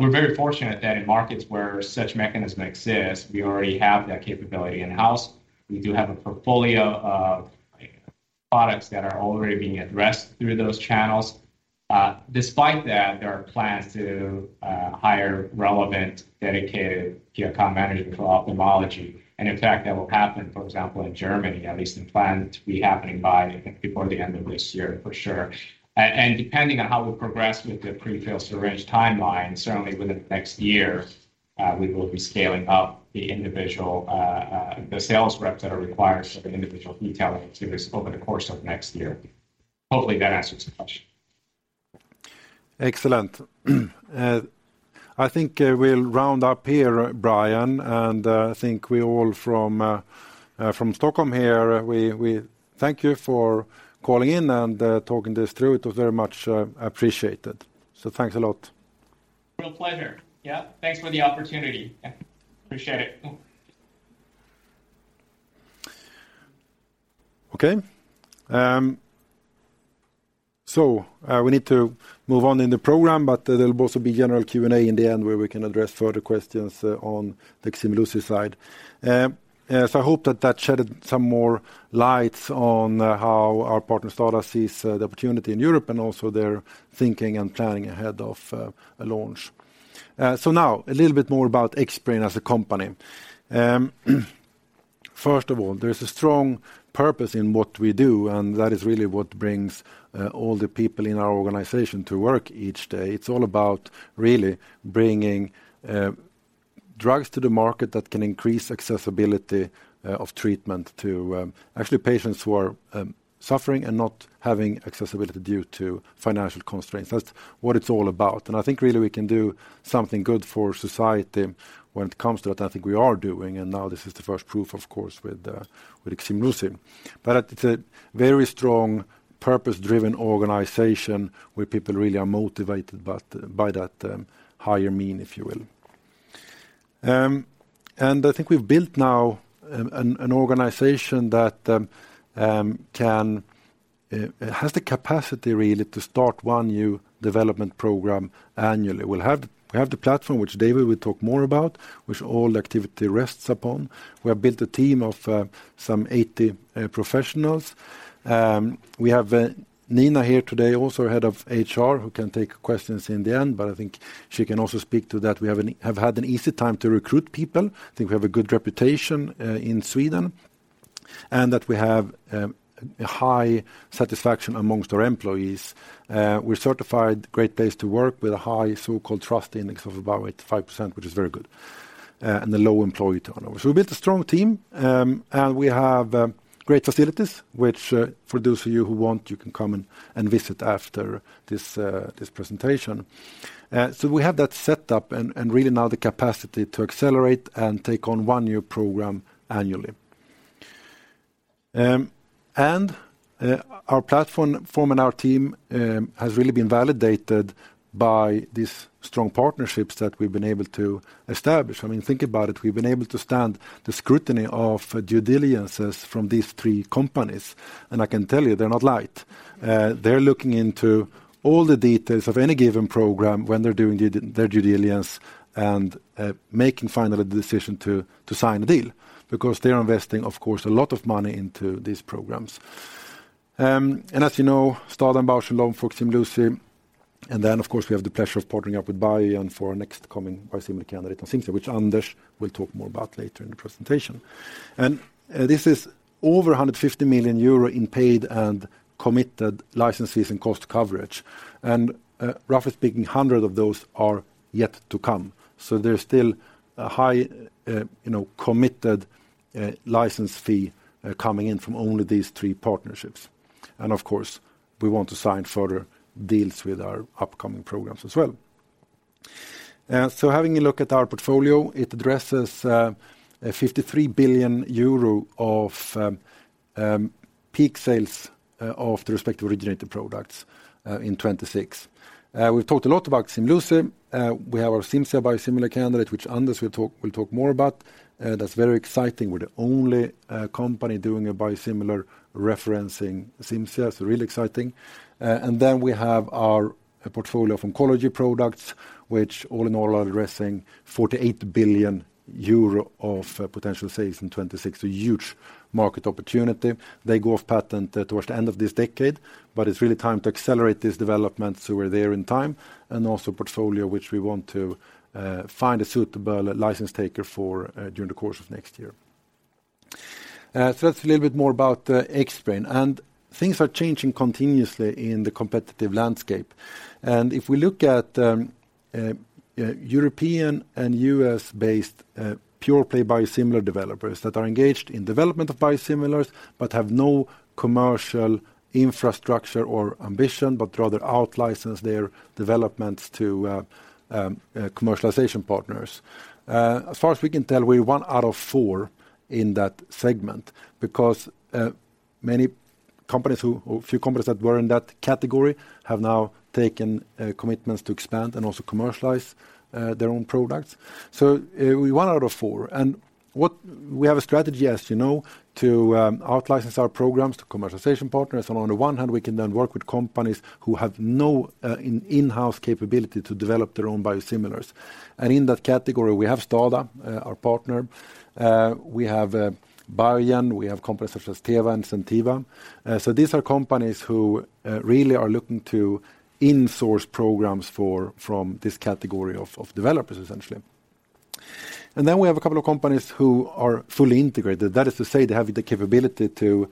We're very fortunate that in markets where such mechanism exists, we already have that capability in-house. We do have a portfolio of products that are already being addressed through those channels. Despite that, there are plans to hire relevant, dedicated key account management for ophthalmology. In fact, that will happen, for example, in Germany, at least planned to be happening by, I think, before the end of this year, for sure. Depending on how we progress with the pre-filled syringe timeline, certainly within the next year, we will be scaling up the sales reps that are required for the individual detailing activities over the course of next year. Hopefully, that answers the question. Excellent. I think we'll round up here, Bryan, and I think we all from Stockholm here, we thank you for calling in and talking this through. It was very much appreciated. Thanks a lot. Real pleasure. Yeah. Thanks for the opportunity. Appreciate it. Okay. We need to move on in the program, but there will also be general Q&A in the end where we can address further questions on the Ximluci side. I hope that that shed some more lights on how our partner STADA sees the opportunity in Europe and also their thinking and planning ahead of a launch. Now a little bit more about Xbrane as a company. First of all, there's a strong purpose in what we do, and that is really what brings all the people in our organization to work each day. It's all about really bringing drugs to the market that can increase accessibility of treatment to actually patients who are suffering and not having accessibility due to financial constraints. That's what it's all about. I think really we can do something good for society when it comes to it. I think we are doing, and now this is the first proof, of course, with Ximluci. It's a very strong purpose-driven organization where people really are motivated by that higher meaning, if you will. I think we've built now an organization that has the capacity really to start one new development program annually. We have the platform which David will talk more about, which all activity rests upon. We have built a team of some 80 professionals. We have Nina here today, Head of HR, who can take questions in the end, but I think she can also speak to that. We have had an easy time to recruit people. I think we have a good reputation in Sweden, and that we have high satisfaction among our employees. We're certified Great Place to Work with a high so-called trust index of about 85%, which is very good, and a low employee turnover. We built a strong team, and we have great facilities, which for those of you who want, you can come and visit after this presentation. We have that set up and really now the capacity to accelerate and take on one new program annually. Our platform and our team has really been validated by these strong partnerships that we've been able to establish. I mean, think about it. We've been able to stand the scrutiny of due diligences from these three companies, and I can tell you they're not light. They're looking into all the details of any given program when they're doing their due diligence and making final decision to sign a deal because they are investing, of course, a lot of money into these programs. As you know, STADA and Bausch + Lomb for Ximluci, and then of course, we have the pleasure of partnering up with Biogen for our next coming biosimilar candidate, Cimzia, which Anders will talk more about later in the presentation. This is over 150 million euro in paid and committed licenses and cost coverage. Roughly speaking, EUR 100 million of those are yet to come. There's still a high, you know, committed license fee coming in from only these three partnerships. Of course, we want to sign further deals with our upcoming programs as well. Having a look at our portfolio, it addresses 53 billion euro of peak sales of the respective originator products in 2026. We've talked a lot about Ximluci. We have our Cimzia biosimilar candidate, which Anders will talk more about. That's very exciting. We're the only company doing a biosimilar referencing Cimzia, so real exciting. We have our portfolio of oncology products, which all in all are addressing 48 billion euro of potential sales in 2026, a huge market opportunity. They go off patent towards the end of this decade, but it's really time to accelerate this development so we're there in time, and also a portfolio which we want to find a suitable license taker for during the course of next year. That's a little bit more about Xbrane. Things are changing continuously in the competitive landscape. If we look at European and U.S-based pure-play biosimilar developers that are engaged in development of biosimilars but have no commercial infrastructure or ambition, but rather out-license their developments to commercialization partners. As far as we can tell, we're one out of four in that segment because many companies or a few companies that were in that category have now taken commitments to expand and also commercialize their own products. We're one out of four. What we have a strategy, as you know, to out-license our programs to commercialization partners. On the one hand, we can then work with companies who have no in-house capability to develop their own biosimilars. In that category, we have STADA, our partner. We have Biogen. We have companies such as Teva and Zentiva. These are companies who really are looking to in-source programs from this category of developers essentially. Then we have a couple of companies who are fully integrated. That is to say they have the capability to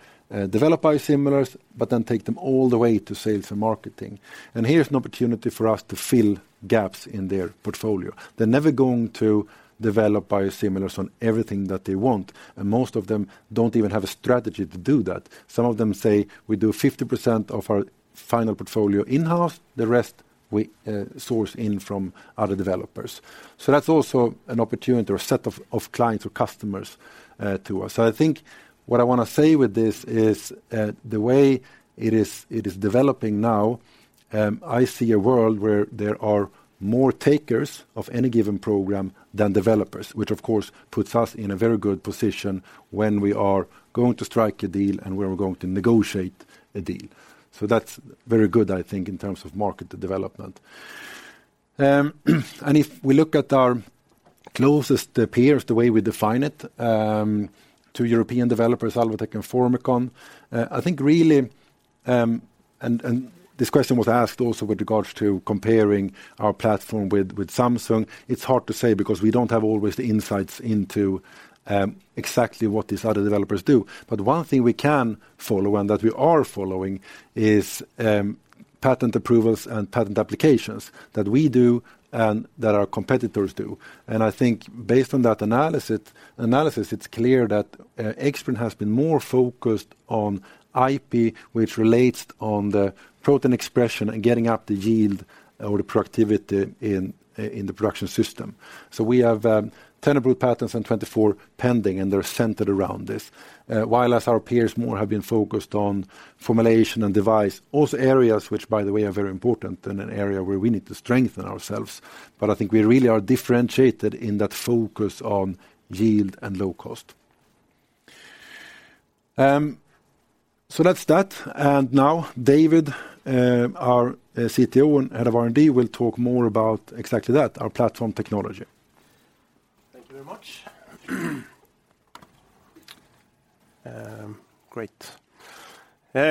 develop biosimilars but then take them all the way to sales and marketing. Here's an opportunity for us to fill gaps in their portfolio. They're never going to develop biosimilars on everything that they want, and most of them don't even have a strategy to do that. Some of them say, "We do 50% of our final portfolio in-house. The rest we source in from other developers." That's also an opportunity or a set of clients or customers to us. I think what I want to say with this is the way it is developing now. I see a world where there are more takers of any given program than developers, which of course puts us in a very good position when we are going to strike a deal and we are going to negotiate a deal. That's very good, I think, in terms of market development. If we look at our closest peers, the way we define it, to European developers, Alvotech and Formycon, I think really, this question was asked also with regards to comparing our platform with Samsung. It's hard to say because we don't have always the insights into exactly what these other developers do. But one thing we can follow and that we are following is patent approvals and patent applications that we do and that our competitors do. I think based on that analysis, it's clear that Xbrane has been more focused on IP, which relates on the protein expression and getting up the yield or the productivity in the production system. So we have 10 approved patents and 24 pending, and they're centered around this. While our peers have been more focused on formulation and device, also areas which by the way are very important and an area where we need to strengthen ourselves. I think we really are differentiated in that focus on yield and low cost. That's that. Now David Vikström, our CTO and Head of R&D, will talk more about exactly that, our platform technology. Thank you very much.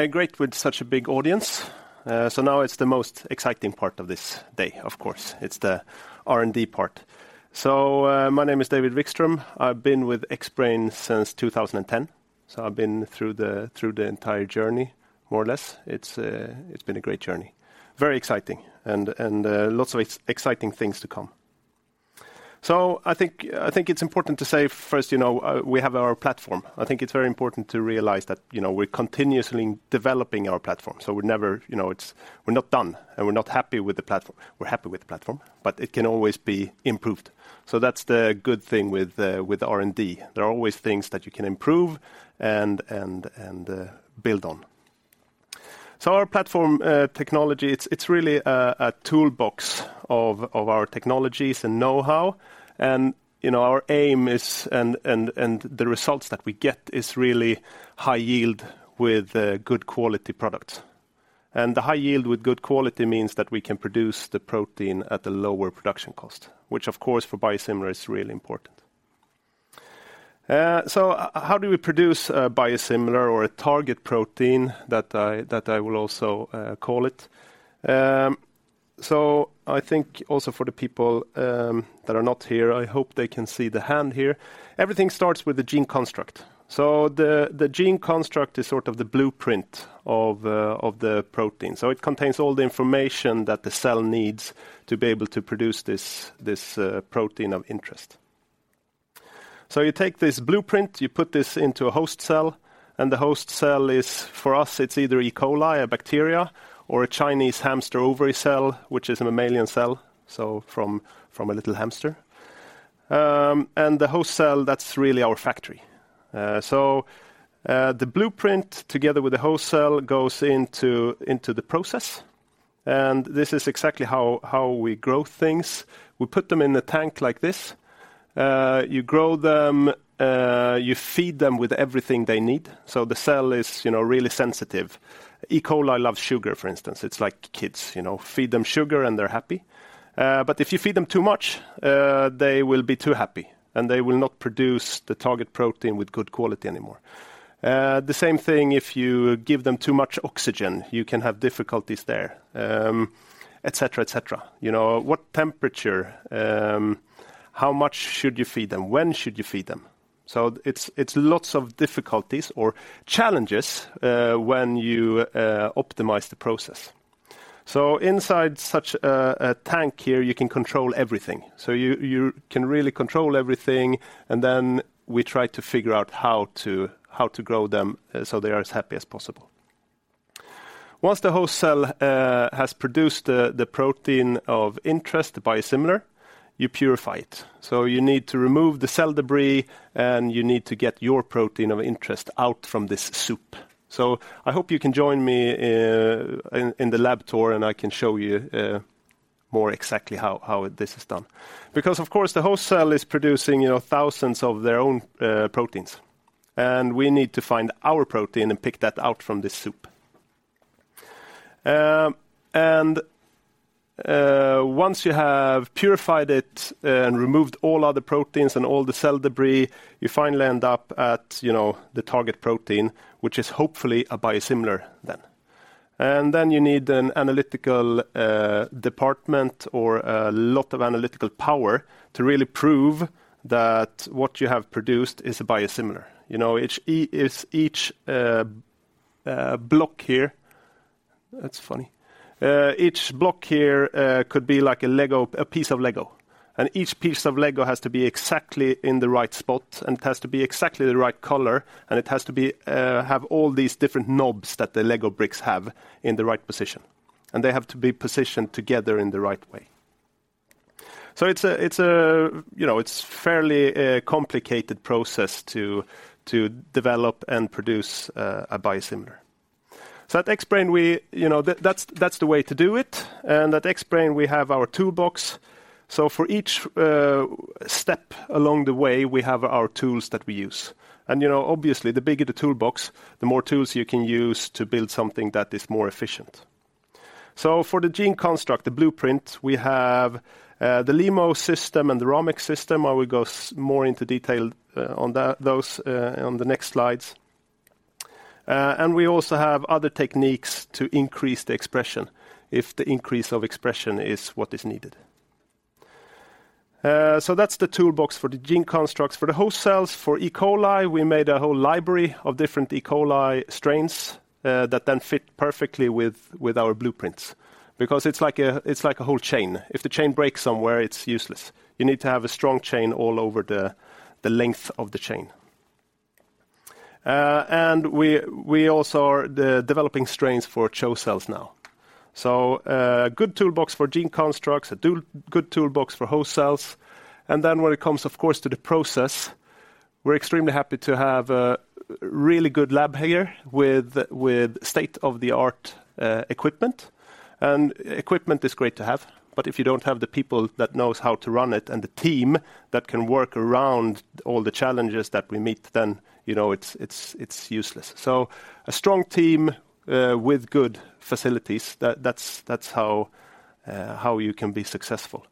Great with such a big audience. Now it's the most exciting part of this day, of course. It's the R&D part. My name is David Vikström. I've been with Xbrane since 2010, so I've been through the entire journey, more or less. It's been a great journey. Very exciting and lots of exciting things to come. I think it's important to say first, you know, we have our platform. I think it's very important to realize that, you know, we're continuously developing our platform. We're never done, and we're not happy with the platform. We're happy with the platform, but it can always be improved. That's the good thing with R&D. There are always things that you can improve and build on. Our platform technology, it's really a toolbox of our technologies and knowhow. You know, our aim is the results that we get is really high yield with good quality products. The high yield with good quality means that we can produce the protein at a lower production cost, which of course for biosimilar is really important. How do we produce a biosimilar or a target protein that I will also call it? I think also for the people that are not here, I hope they can see the hand here. Everything starts with the gene construct. The gene construct is sort of the blueprint of the protein. It contains all the information that the cell needs to be able to produce this protein of interest. You take this blueprint, you put this into a host cell, and the host cell is, for us, it's either E. coli, a bacteria, or a Chinese hamster ovary cell, which is a mammalian cell, so from a little hamster. The host cell, that's really our factory. The blueprint together with the host cell goes into the process, and this is exactly how we grow things. We put them in a tank like this. You grow them, you feed them with everything they need. The cell is, you know, really sensitive. E. coli loves sugar, for instance. It's like kids, you know, feed them sugar, and they're happy. If you feed them too much, they will be too happy, and they will not produce the target protein with good quality anymore. The same thing, if you give them too much oxygen, you can have difficulties there, et cetera. You know, what temperature, how much should you feed them? When should you feed them? It's lots of difficulties or challenges when you optimize the process. Inside such a tank here, you can control everything. You can really control everything, and then we try to figure out how to grow them so they are as happy as possible. Once the host cell has produced the protein of interest, the biosimilar, you purify it. You need to remove the cell debris, and you need to get your protein of interest out from this soup. I hope you can join me in the lab tour, and I can show you more exactly how this is done. Because of course, the host cell is producing, you know, thousands of their own proteins. We need to find our protein and pick that out from this soup. Once you have purified it and removed all other proteins and all the cell debris, you finally end up at, you know, the target protein, which is hopefully a biosimilar then. Then you need an analytical department or a lot of analytical power to really prove that what you have produced is a biosimilar. You know, each block here. That's funny. Each block here could be like a Lego, a piece of Lego. Each piece of Lego has to be exactly in the right spot, and it has to be exactly the right color, and it has to have all these different knobs that the Lego bricks have in the right position. They have to be positioned together in the right way. It's a you know, it's fairly complicated process to develop and produce a biosimilar. At Xbrane, we you know that's the way to do it. At Xbrane, we have our toolbox. For each step along the way, we have our tools that we use. You know, obviously, the bigger the toolbox, the more tools you can use to build something that is more efficient. For the gene construct, the blueprint, we have the LEMO system and the Rhamex system. I will go more into detail on those on the next slides. We also have other techniques to increase the expression if the increase of expression is what is needed. That's the toolbox for the gene constructs. For the host cells, for E. coli, we made a whole library of different E. coli strains that then fit perfectly with our blueprints. Because it's like a whole chain. If the chain breaks somewhere, it's useless. You need to have a strong chain all over the length of the chain. We also are developing strains for CHO cells now. Good toolbox for gene constructs, good toolbox for host cells. When it comes, of course, to the process, we're extremely happy to have a really good lab here with state-of-the-art equipment. Equipment is great to have, but if you don't have the people that knows how to run it and the team that can work around all the challenges that we meet, then, you know, it's useless. A strong team with good facilities, that's how you can be successful.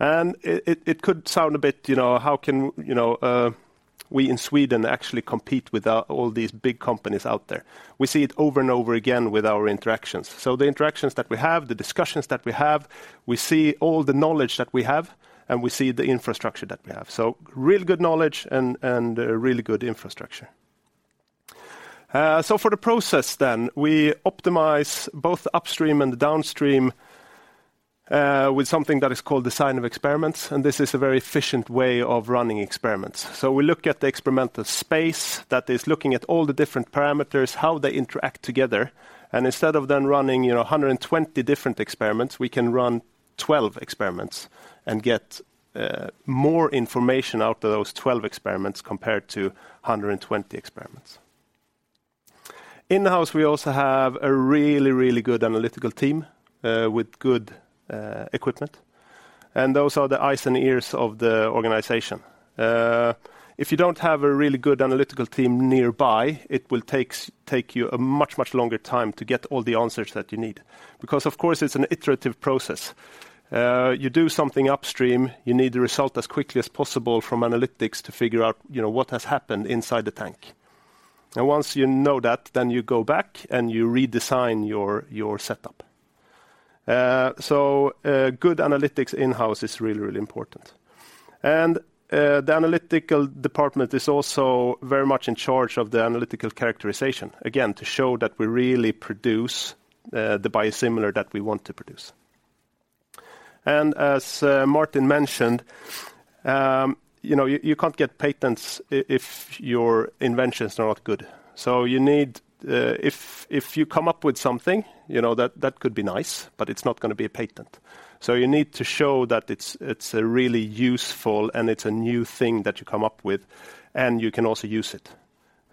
It could sound a bit, you know, how can we in Sweden actually compete with all these big companies out there. We see it over and over again with our interactions. The interactions that we have, the discussions that we have, we see all the knowledge that we have, and we see the infrastructure that we have. Really good knowledge and really good infrastructure. For the process then, we optimize both upstream and downstream with something that is called design of experiments, and this is a very efficient way of running experiments. We look at the experimental space that is looking at all the different parameters, how they interact together, and instead of then running, you know, 120 different experiments, we can run 12 experiments and get more information out of those 12 experiments compared to 120 experiments. In-house, we also have a really, really good analytical team with good equipment. Those are the eyes and ears of the organization. If you don't have a really good analytical team nearby, it will take you a much, much longer time to get all the answers that you need. Because of course, it's an iterative process. You do something upstream, you need the result as quickly as possible from analytics to figure out, you know, what has happened inside the tank. Once you know that, then you go back and you redesign your setup. Good analytics in-house is really, really important. The analytical department is also very much in charge of the analytical characterization, again, to show that we really produce the biosimilar that we want to produce. As Martin mentioned, you know, you can't get patents if your inventions are not good. You need, if you come up with something, you know, that could be nice, but it's not gonna be a patent. You need to show that it's really useful and it's a new thing that you come up with and you can also use it.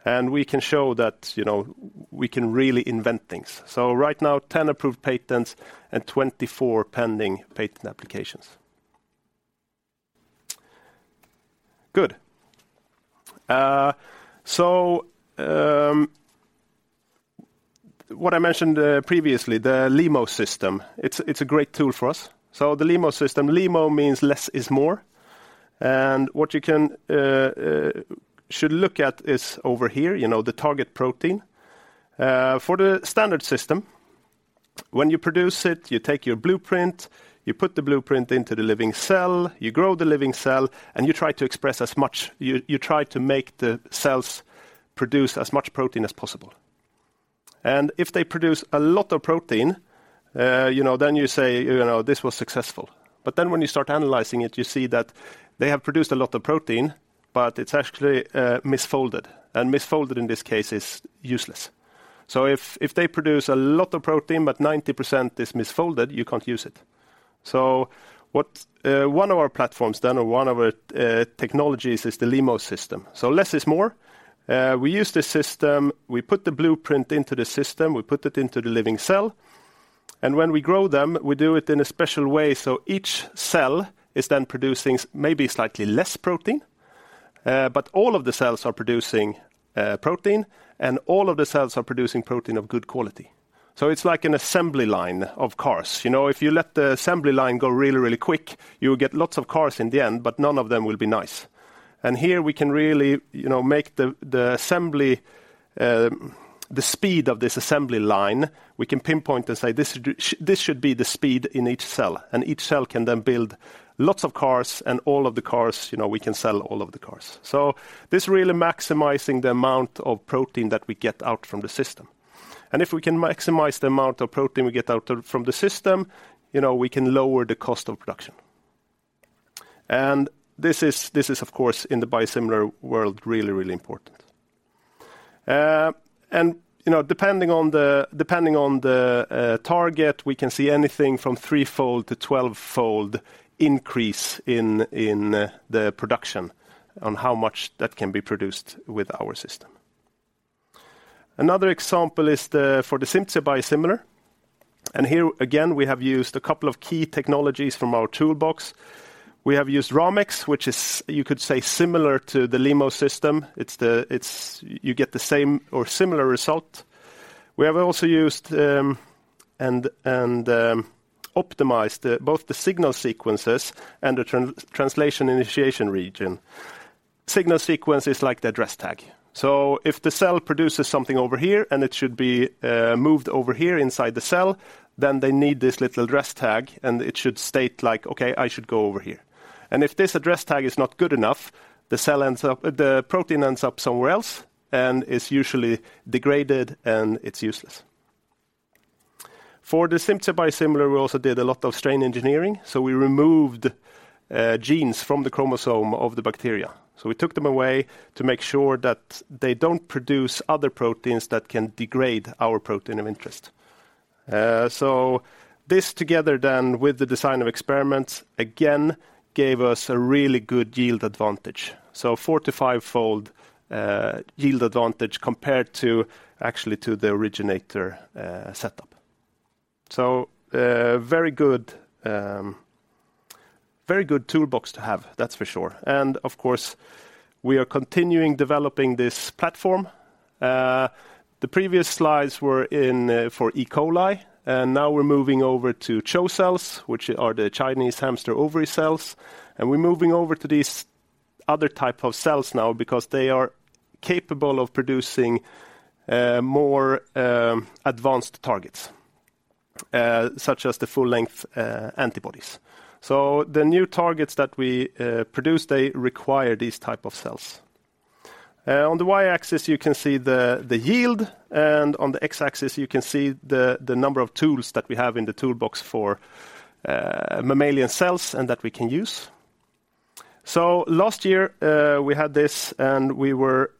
We can show that, you know, we can really invent things. Right now, 10 approved patents and 24 pending patent applications. Good. What I mentioned previously, the LEMO System is a great tool for us. The LEMO System, LEMO means less is more. What you should look at is over here, you know, the target protein. For the standard system, when you produce it, you take your blueprint, you put the blueprint into the living cell, you grow the living cell and you try to express as much as possible. You try to make the cells produce as much protein as possible. If they produce a lot of protein, you know, then you say, you know, "This was successful." When you start analyzing it, you see that they have produced a lot of protein, but it's actually misfolded, and misfolded in this case is useless. If they produce a lot of protein, but 90% is misfolded, you can't use it. What one of our platforms then or one of technologies is the LEMO System. Less is more. We use the system, we put the blueprint into the system, we put it into the living cell. When we grow them, we do it in a special way, so each cell is then producing maybe slightly less protein, but all of the cells are producing protein, and all of the cells are producing protein of good quality. It's like an assembly line of cars. You know, if you let the assembly line go really, really quick, you'll get lots of cars in the end, but none of them will be nice. Here we can really, you know, make the speed of this assembly line. We can pinpoint and say, "This should be the speed in each cell." Each cell can then build lots of cars and all of the cars, you know, we can sell all of the cars. This really maximizing the amount of protein that we get out from the system. If we can maximize the amount of protein we get out of the system, you know, we can lower the cost of production. This is, of course, in the biosimilar world, really, really important. You know, depending on the target, we can see anything from 3-fold to 12-fold increase in the production on how much that can be produced with our system. Another example is for the certolizumab biosimilar, and here again, we have used a couple of key technologies from our toolbox. We have used Rhamex, which is, you could say similar to the LEMO System. It's you get the same or similar result. We have also used and optimized both the signal sequences and the translation initiation region. Signal sequence is like the address tag. If the cell produces something over here and it should be moved over here inside the cell, then they need this little address tag, and it should state like, "Okay, I should go over here." If this address tag is not good enough, the protein ends up somewhere else and is usually degraded, and it's useless. For the certolizumab biosimilar, we also did a lot of strain engineering, so we removed genes from the chromosome of the bacteria. We took them away to make sure that they don't produce other proteins that can degrade our protein of interest. This together then with the design of experiments again gave us a really good yield advantage. 45-fold yield advantage compared to actually to the originator setup. Very good toolbox to have, that's for sure. Of course, we are continuing developing this platform. The previous slides were in for E. coli, and now we're moving over to CHO cells, which are the Chinese hamster ovary cells. We're moving over to these other type of cells now because they are capable of producing more advanced targets such as the full length antibodies. The new targets that we produce, they require these type of cells. On the Y-axis, you can see the yield, and on the X-axis, you can see the number of tools that we have in the toolbox for mammalian cells and that we can use. Last year, we had this and we were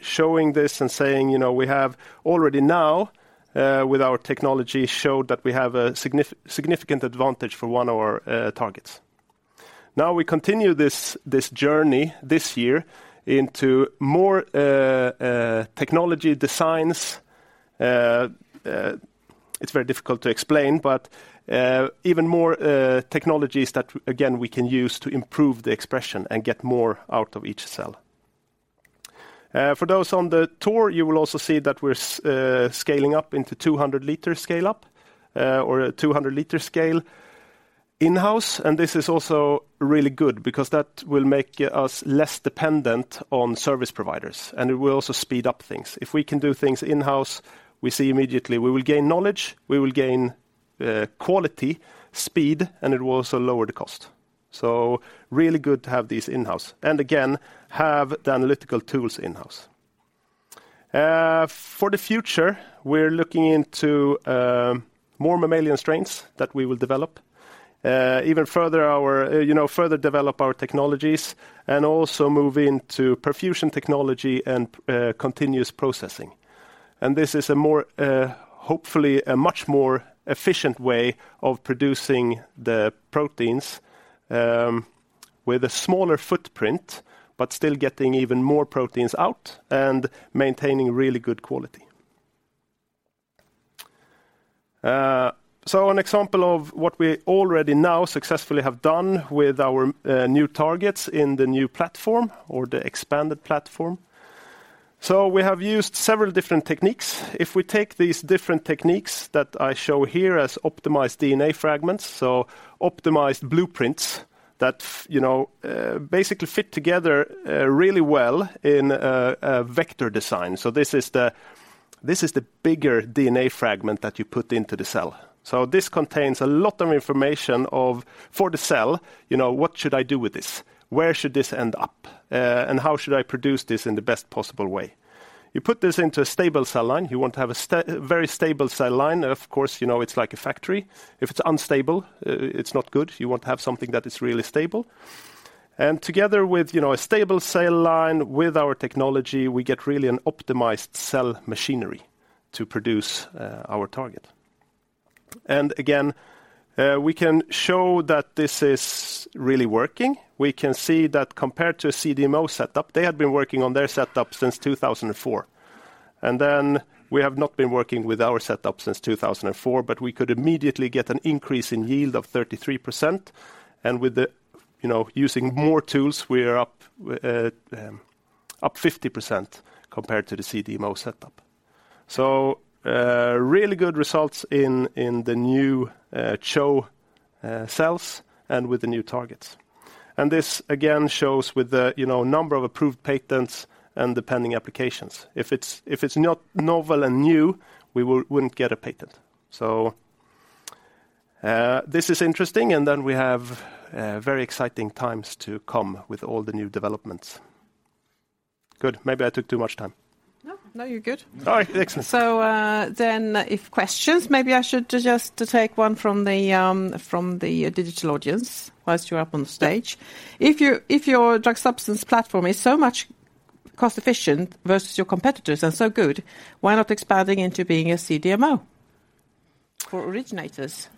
showing this and saying, you know, we have already now with our technology showed that we have a significant advantage for one of our targets. Now, we continue this journey this year into more technology designs. It's very difficult to explain, but even more technologies that again, we can use to improve the expression and get more out of each cell. For those on the tour, you will also see that we're scaling up into 200 L scale up, or a 200 L scale in-house. This is also really good because that will make us less dependent on service providers, and it will also speed up things. If we can do things in-house, we see immediately we will gain knowledge, we will gain quality, speed, and it will also lower the cost. Really good to have these in-house, and again, have the analytical tools in-house. For the future, we're looking into more mammalian strains that we will develop. Even further develop our technologies and also move into perfusion technology and continuous processing. This is a more, hopefully a much more efficient way of producing the proteins, with a smaller footprint, but still getting even more proteins out and maintaining really good quality. An example of what we already now successfully have done with our new targets in the new platform or the expanded platform. We have used several different techniques. If we take these different techniques that I show here as optimized DNA fragments, so optimized blueprints that you know basically fit together really well in a vector design. This is the bigger DNA fragment that you put into the cell. This contains a lot of information for the cell, you know, what should I do with this? Where should this end up? And how should I produce this in the best possible way? You put this into a stable cell line. You want to have a very stable cell line. Of course, you know it's like a factory. If it's unstable, it's not good. You want to have something that is really stable. Together with, you know, a stable cell line, with our technology, we get really an optimized cell machinery to produce our target. Again, we can show that this is really working. We can see that compared to a CDMO setup, they had been working on their setup since 2004. Then we have not been working with our setup since 2004, but we could immediately get an increase in yield of 33%. With the, you know, using more tools, we are up 50% compared to the CDMO setup. Really good results in the new CHO cells and with the new targets. This again shows with the, you know, number of approved patents and the pending applications. If it's not novel and new, we wouldn't get a patent. This is interesting, and then we have very exciting times to come with all the new developments. Good. Maybe I took too much time. No, no, you're good. All right. Excellent. If questions, maybe I should just take one from the digital audience whilst you're up on stage. If your drug substance platform is so much cost efficient versus your competitors and so good, why not expanding into being a CDMO for originators? Yes.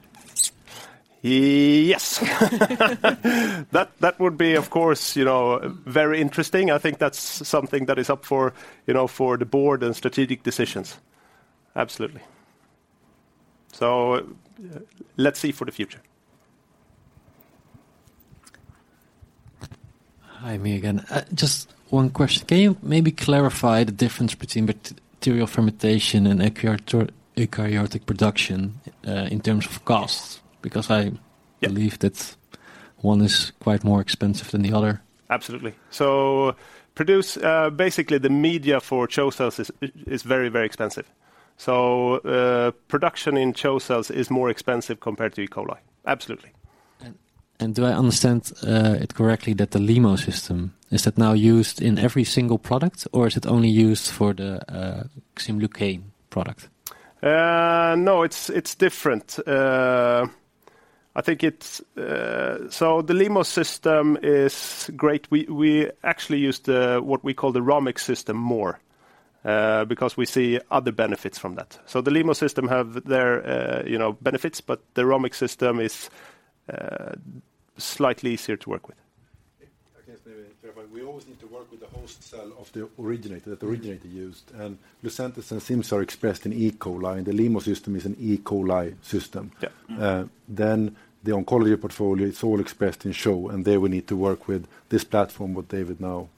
That would be, of course, you know, very interesting. I think that's something that is up for, you know, for the board and strategic decisions. Absolutely. Let's see for the future. Hi, me again. Just one question. Can you maybe clarify the difference between bacterial fermentation and eukaryotic production in terms of costs? Yeah. Believe that one is quite more expensive than the other. Absolutely. Produce basically the media for CHO cells is very, very expensive. Production in CHO cells is more expensive compared to E. coli. Absolutely. Do I understand it correctly that the LEMO system is now used in every single product, or is it only used for the Ximluci product? No, it's different. The LEMO system is great. We actually use what we call the Rhamex system more because we see other benefits from that. The LEMO system have their, you know, benefits, but the Rhamex system is slightly easier to work with. I can maybe clarify. We always need to work with the host cell of the originator, that the originator used. Lucentis and Cimzia are expressed in E. coli, and the LEMO system is an E. coli system. Yeah. Mm-hmm. The oncology portfolio, it's all expressed in CHO, and there we need to work with this platform what David Vikström now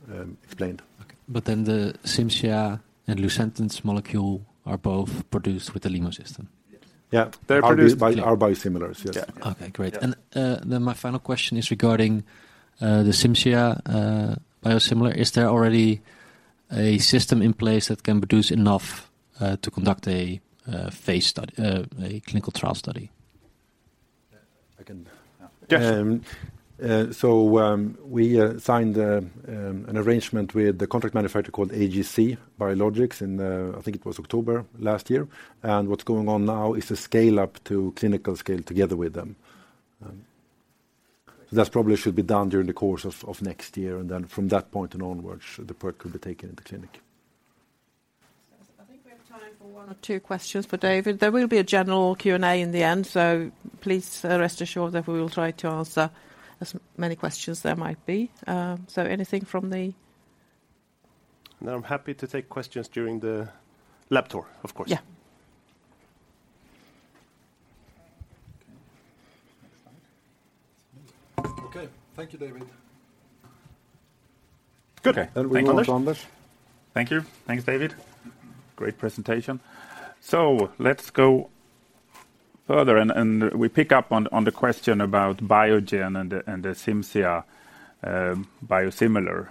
explained. Okay. The Cimzia and Lucentis molecule are both produced with the LEMO system? Yes. Yeah. They're produced by. Are biosimilars? Yes. Yeah. Okay, great. Yeah. My final question is regarding the Cimzia biosimilar. Is there already a system in place that can produce enough to conduct a clinical trial study? I can- Yes. We signed an arrangement with a contract manufacturer called AGC Biologics in, I think it was October last year. What's going on now is the scale-up to clinical scale together with them. That probably should be done during the course of next year, and then from that point and onwards, the product could be taken into clinic. I think we have time for one or two questions for David. There will be a general Q&A in the end, so please rest assured that we will try to answer as many questions there might be. No, I'm happy to take questions during the lab tour, of course. Yeah. Okay. Thank you, David. Good. Thank you. We move on to Anders. Thank you. Thanks, David. Great presentation. Let's go further and we pick up on the question about Biogen and the Cimzia biosimilar.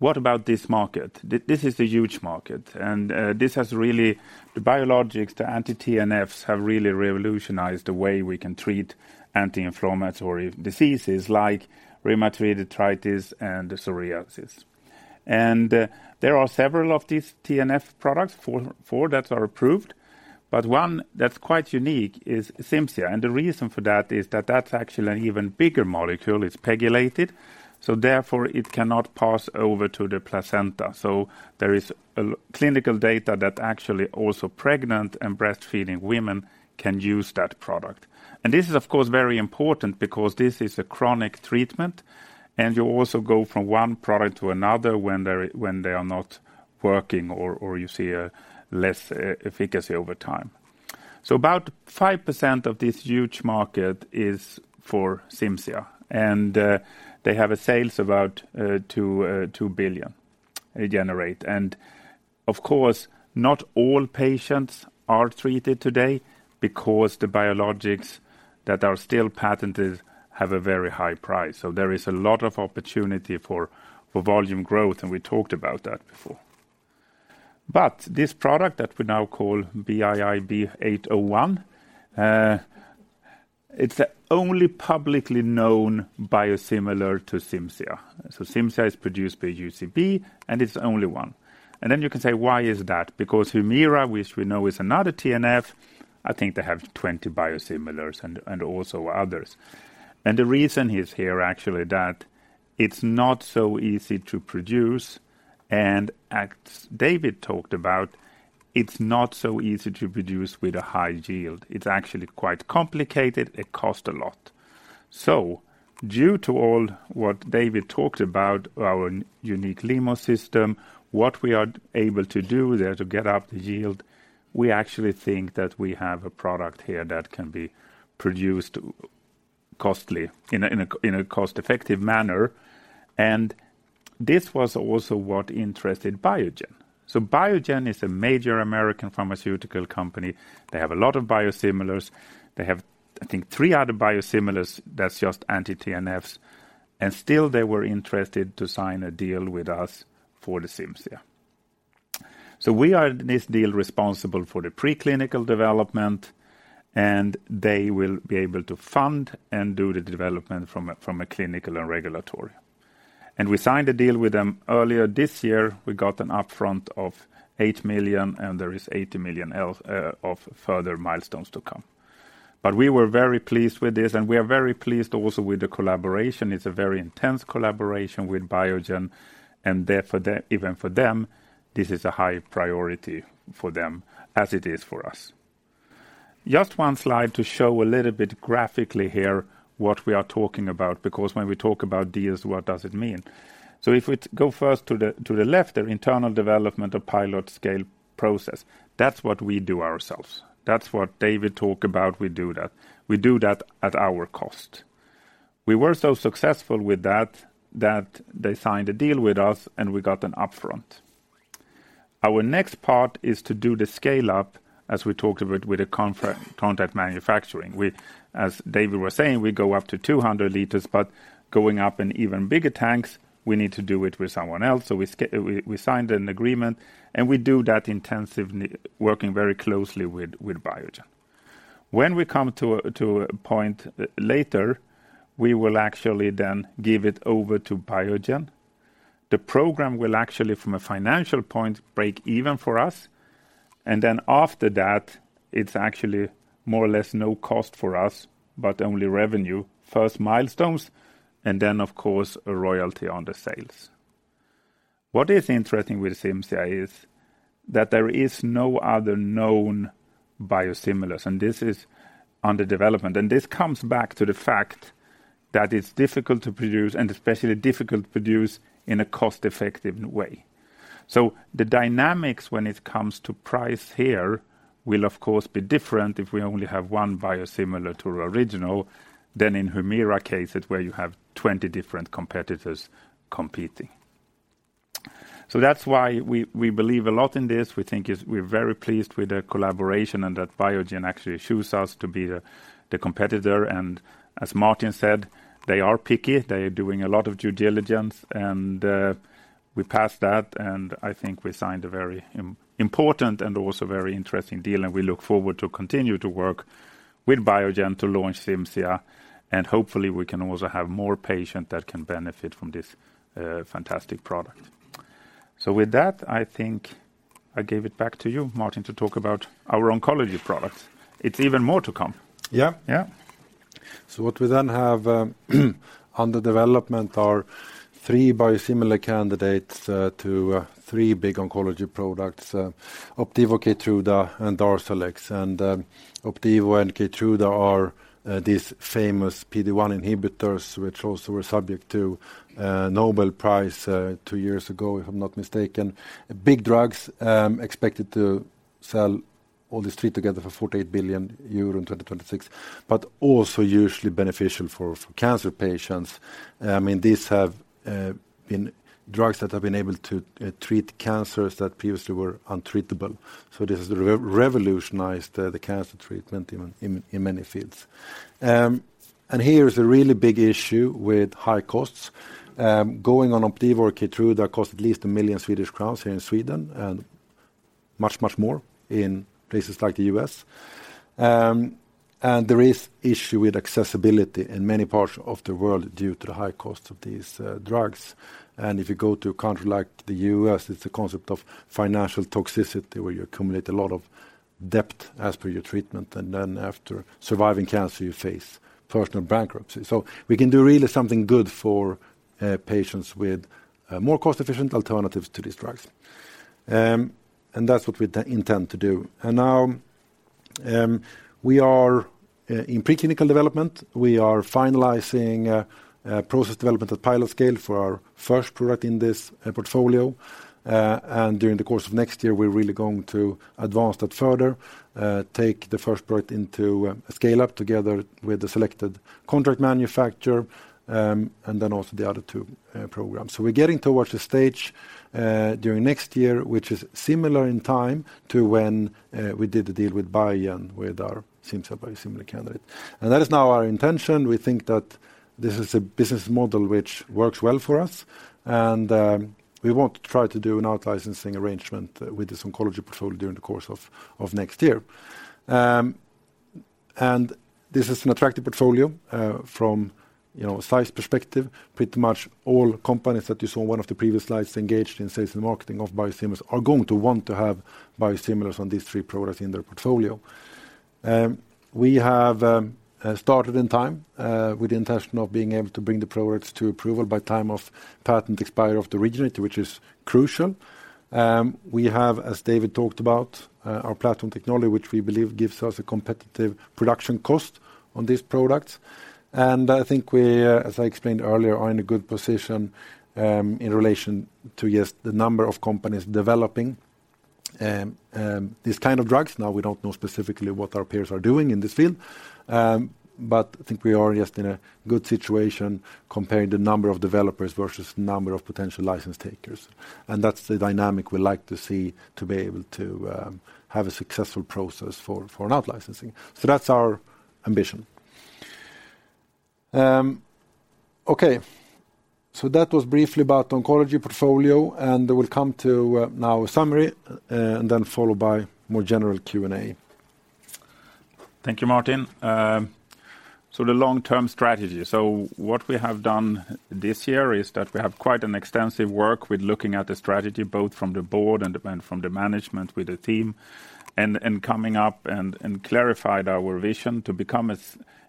What about this market? This is a huge market, and the biologics, the anti-TNFs have really revolutionized the way we can treat anti-inflammatory diseases like rheumatoid arthritis and psoriasis. There are several of these TNF products, four that are approved, but one that's quite unique is Cimzia. The reason for that is that that's actually an even bigger molecule. It's pegylated, so therefore it cannot pass over to the placenta. There is clinical data that actually also pregnant and breastfeeding women can use that product. This is, of course, very important because this is a chronic treatment, and you also go from one product to another when they are not working or you see a less efficacy over time. About 5% of this huge market is for Cimzia, and they have sales about $2 billion they generate. Of course, not all patients are treated today because the biologics that are still patented have a very high price. There is a lot of opportunity for volume growth, and we talked about that before. This product that we now call BIIB801, it's the only publicly known biosimilar to Cimzia. Cimzia is produced by UCB, and it's the only one. Then you can say, "Why is that?" Because Humira, which we know is another TNF, I think they have 20 biosimilars and also others. The reason is here actually that it's not so easy to produce and as David talked about, it's not so easy to produce with a high yield. It's actually quite complicated. It cost a lot. Due to all what David talked about, our unique LEMO system, what we are able to do there to get up the yield, we actually think that we have a product here that can be produced in a cost-effective manner, and this was also what interested Biogen. Biogen is a major American pharmaceutical company. They have a lot of biosimilars. They have, I think, three other biosimilars that's just anti-TNFs, and still they were interested to sign a deal with us for the Cimzia. We are in this deal responsible for the preclinical development, and they will be able to fund and do the development from a clinical and regulatory. We signed a deal with them earlier this year. We got an upfront of 8 million, and there is 80 million of further milestones to come. We were very pleased with this, and we are very pleased also with the collaboration. It's a very intense collaboration with Biogen, and therefore even for them, this is a high priority for them as it is for us. Just one slide to show a little bit graphically here what we are talking about, because when we talk about deals, what does it mean? If we go first to the left, the internal development of pilot scale process, that's what we do ourselves. That's what David talk about. We do that. We do that at our cost. We were so successful with that they signed a deal with us, and we got an upfront. Our next part is to do the scale up, as we talked about with the contract manufacturing. As David was saying, we go up to 200 L, but going up in even bigger tanks, we need to do it with someone else. We signed an agreement, and we do that intensively, working very closely with Biogen. When we come to a point later, we will actually then give it over to Biogen. The program will actually from a financial point break even for us, and then after that, it's actually more or less no cost for us, but only revenue. First milestones, and then of course a royalty on the sales. What is interesting with Cimzia is that there is no other known biosimilars, and this is under development. This comes back to the fact that it's difficult to produce and especially difficult to produce in a cost-effective way. The dynamics when it comes to price here will of course be different if we only have one biosimilar to our original than in Humira cases where you have 20 different competitors competing. That's why we believe a lot in this. We think it's. We're very pleased with the collaboration and that Biogen actually choose us to be the competitor. As Martin said, they are picky. They are doing a lot of due diligence, and we passed that, and I think we signed a very important and also very interesting deal. We look forward to continue to work with Biogen to launch Cimzia, and hopefully we can also have more patient that can benefit from this fantastic product. With that, I think I give it back to you, Martin, to talk about our oncology products. It's even more to come. Yeah. Yeah. What we then have under development are three biosimilar candidates to three big oncology products, Opdivo, Keytruda, and Darzalex. Opdivo and Keytruda are these famous PD-1 inhibitors which also were subject to Nobel Prize two years ago, if I'm not mistaken. Big drugs expected to sell all these three together for 48 billion euro in 2026, but also usually beneficial for cancer patients. I mean, these have been drugs that have been able to treat cancers that previously were untreatable. This has revolutionized the cancer treatment even in many fields. Here is a really big issue with high costs. Going on Opdivo or Keytruda costs at least 1 million Swedish crowns here in Sweden, and much, much more in places like the U.S. There is issue with accessibility in many parts of the world due to the high cost of these drugs. If you go to a country like the U.S., it's a concept of financial toxicity, where you accumulate a lot of debt as part of your treatment, and then after surviving cancer, you face personal bankruptcy. We can do really something good for patients with more cost-efficient alternatives to these drugs. That's what we intend to do. Now, we are in preclinical development. We are finalizing a process development at pilot scale for our first product in this portfolio. During the course of next year, we're really going to advance that further, take the first product into a scale-up together with the selected contract manufacturer, and then also the other two programs. We're getting towards the stage during next year, which is similar in time to when we did the deal with Biogen with our Cimzia biosimilar candidate. That is now our intention. We think that this is a business model which works well for us and we want to try to do an out-licensing arrangement with this oncology portfolio during the course of next year. This is an attractive portfolio from, you know, size perspective. Pretty much all companies that you saw in one of the previous slides engaged in sales and marketing of biosimilars are going to want to have biosimilars on these three products in their portfolio. We have started in time with the intention of being able to bring the products to approval by time of patent expiry of the original, which is crucial. We have, as David talked about, our platform technology, which we believe gives us a competitive production cost on these products. I think we, as I explained earlier, are in a good position in relation to yes the number of companies developing these kind of drugs. Now, we don't know specifically what our peers are doing in this field, but I think we are just in a good situation comparing the number of developers versus number of potential license takers. That's the dynamic we like to see to be able to have a successful process for an out-licensing. That's our ambition. That was briefly about oncology portfolio, and we'll come to now a summary and then followed by more general Q&A. Thank you, Martin. The long-term strategy. What we have done this year is that we have quite an extensive work with looking at the strategy, both from the board and from the management with the team and coming up and clarified our vision to become a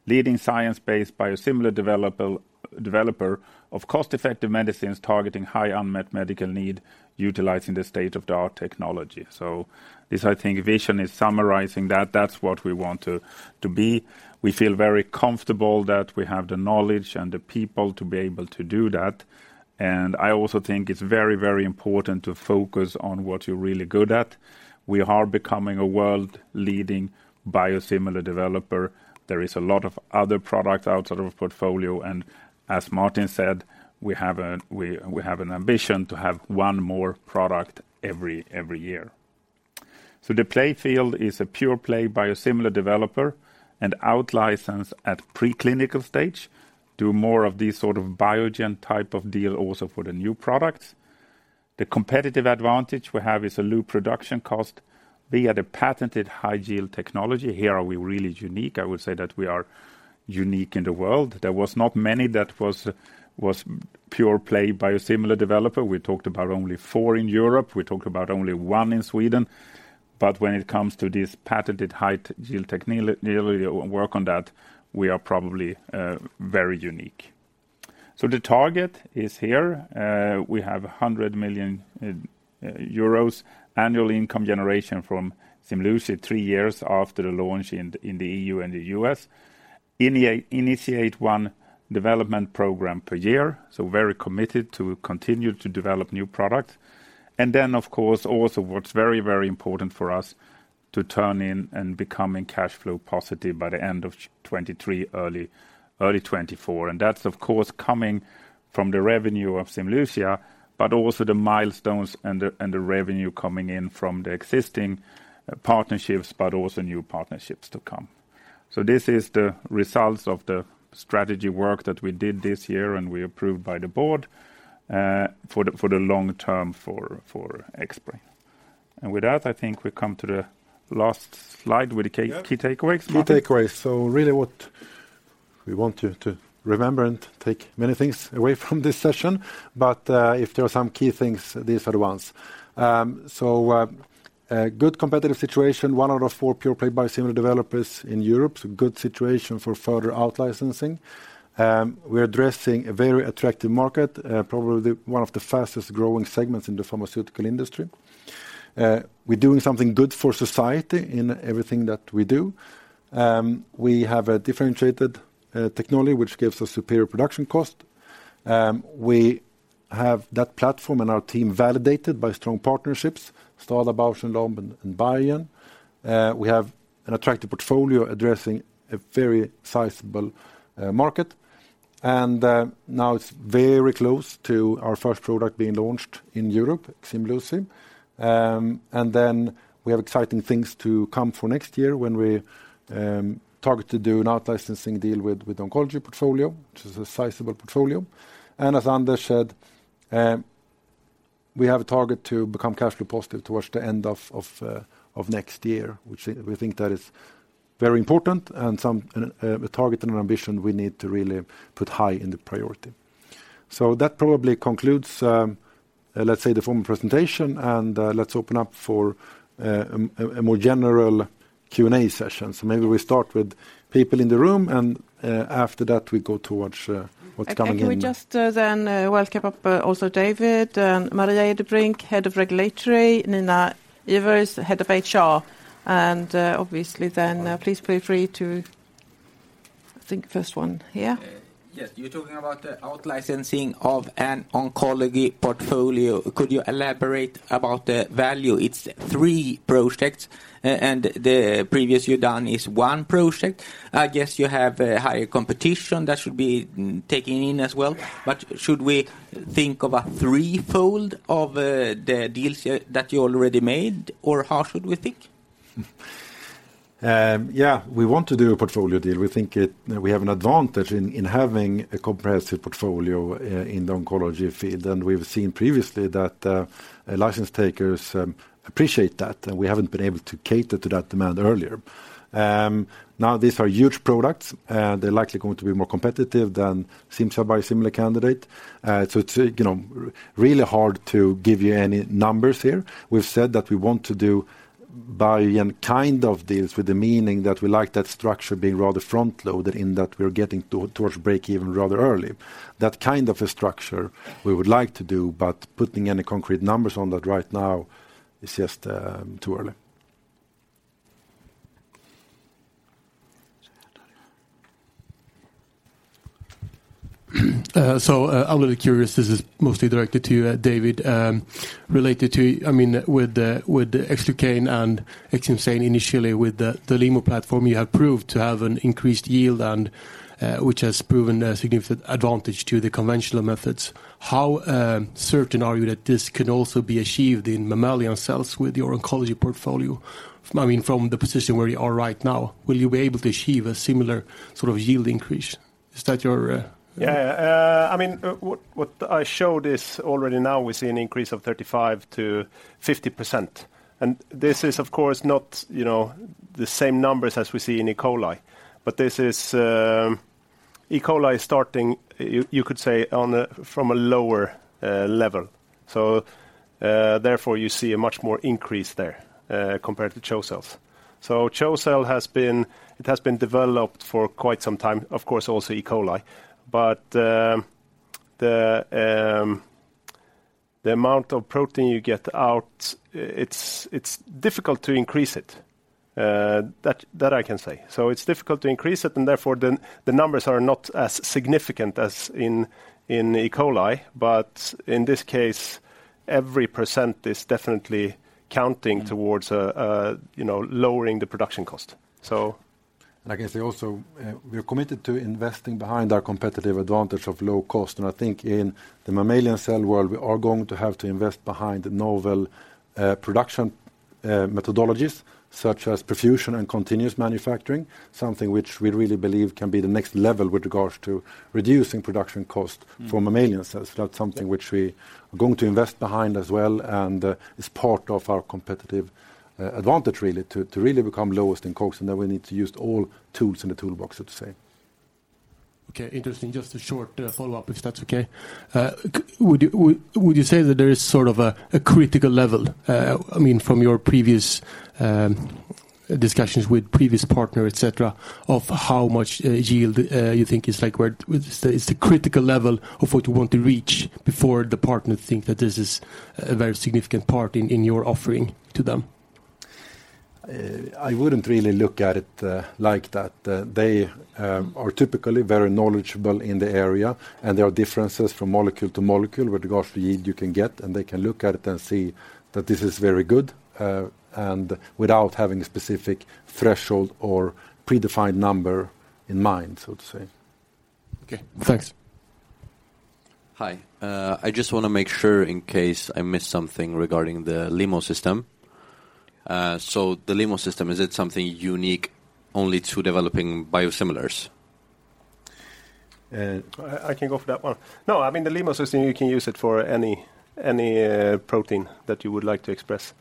leading science-based biosimilar developer of cost-effective medicines targeting high unmet medical need, utilizing the state-of-the-art technology. This vision is summarizing that. That's what we want to be. We feel very comfortable that we have the knowledge and the people to be able to do that. I also think it's very important to focus on what you're really good at. We are becoming a world leading biosimilar developer. There is a lot of other products outside of our portfolio, and as Martin said, we have an ambition to have one more product every year. The play field is a pure play biosimilar developer and out-license at preclinical stage. Do more of these sort of Biogen type of deal also for the new products. The competitive advantage we have is a low production cost via the patented high yield technology. Here, are we really unique? I would say that we are unique in the world. There was not many that was pure play biosimilar developer. We talked about only four in Europe. We talked about only one in Sweden. When it comes to this patented high yield technology work on that, we are probably very unique. The target is here. We have 100 million euros annual income generation from Ximluci three years after the launch in the EU and the U.S. Initiate one development program per year, so very committed to continue to develop new product. Of course, also what's very important for us to turn in and becoming cash flow positive by the end of 2023, early 2024. That's of course coming from the revenue of Ximluci, but also the milestones and the revenue coming in from the existing partnerships, but also new partnerships to come. This is the results of the strategy work that we did this year, and we approved by the board for the long term for Xbrane. With that, I think we come to the last slide with the key takeaways. Martin. Key takeaways. Really what we want you to remember and take many things away from this session, but if there are some key things, these are the ones. A good competitive situation, one out of four pure play biosimilar developers in Europe. Good situation for further out-licensing. We're addressing a very attractive market, probably one of the fastest-growing segments in the pharmaceutical industry. We're doing something good for society in everything that we do. We have a differentiated technology which gives us superior production cost. We have that platform and our team validated by strong partnerships, STADA, Bausch + Lomb, and Biogen. We have an attractive portfolio addressing a very sizable market. Now it's very close to our first product being launched in Europe, Ximluci. Then we have exciting things to come for next year when we target to do an out-licensing deal with oncology portfolio, which is a sizable portfolio. As Anders said, we have a target to become cash flow positive towards the end of next year, which we think that is very important. A target and an ambition we need to really put high in the priority. That probably concludes, let's say, the formal presentation, and let's open up for a more general Q&A session. Maybe we start with people in the room, and after that, we go towards what's coming in. Can we just then welcome up also David Vikström and Maria Edebrink, Head of Regulatory, Nina Ivers, Head of HR, and obviously then please feel free to. I think first one here. Yes. You're talking about the out-licensing of an oncology portfolio. Could you elaborate about the value? It's three projects and the previous you've done is one project. I guess you have higher competition that should be taken in as well, but should we think of a 3-fold of the deals that you already made, or how should we think? Yeah, we want to do a portfolio deal. We think it. We have an advantage in having a comprehensive portfolio in the oncology field, and we've seen previously that license takers appreciate that, and we haven't been able to cater to that demand earlier. Now these are huge products. They're likely going to be more competitive than Cimzia biosimilar candidate. So it's, you know, really hard to give you any numbers here. We've said that we want to do any kind of deals with the meaning that we like that structure being rather front-loaded in that we're getting towards break even rather early. That kind of a structure we would like to do, but putting any concrete numbers on that right now is just too early. I'm really curious, this is mostly directed to you, David. Related to, I mean, with the Xlucane and Cimzia initially with the LEMO platform, you have proved to have an increased yield and, which has proven a significant advantage to the conventional methods. How certain are you that this can also be achieved in mammalian cells with your oncology portfolio? I mean, from the position where you are right now, will you be able to achieve a similar sort of yield increase? Is that your Yeah. I mean, what I showed is already now we see an increase of 35%-50%. This is, of course, not, you know, the same numbers as we see in E. coli. E. coli is starting, you could say, from a lower level. Therefore, you see a much more increase there, compared to CHO cells. CHO cell has been developed for quite some time, of course, also E. coli. The amount of protein you get out, it's difficult to increase it. That I can say. It's difficult to increase it, and therefore the numbers are not as significant as in E. coli. In this case, every percent is definitely counting towards, you know, lowering the production cost. So- I can say also, we're committed to investing behind our competitive advantage of low cost. I think in the mammalian cell world, we are going to have to invest behind the novel production methodologies such as perfusion and continuous manufacturing, something which we really believe can be the next level with regards to reducing production cost for mammalian cells. That's something which we are going to invest behind as well and is part of our competitive advantage really to really become lowest in COGS, and then we need to use all tools in the toolbox, so to say. Okay, interesting. Just a short follow-up, if that's okay. Would you say that there is sort of a critical level, I mean, from your previous discussions with previous partner, et cetera, of how much yield you think is like where is the critical level of what you want to reach before the partner think that this is a very significant part in your offering to them? I wouldn't really look at it like that. They are typically very knowledgeable in the area, and there are differences from molecule to molecule with regards to yield you can get, and they can look at it and see that this is very good, and without having a specific threshold or predefined number in mind, so to say. Okay, thanks. Hi. I just wanna make sure in case I missed something regarding the LEMO system. The LEMO system, is it something unique only to developing biosimilars? I can go for that one. No, I mean, the LEMO System, you can use it for any protein that you would like to express.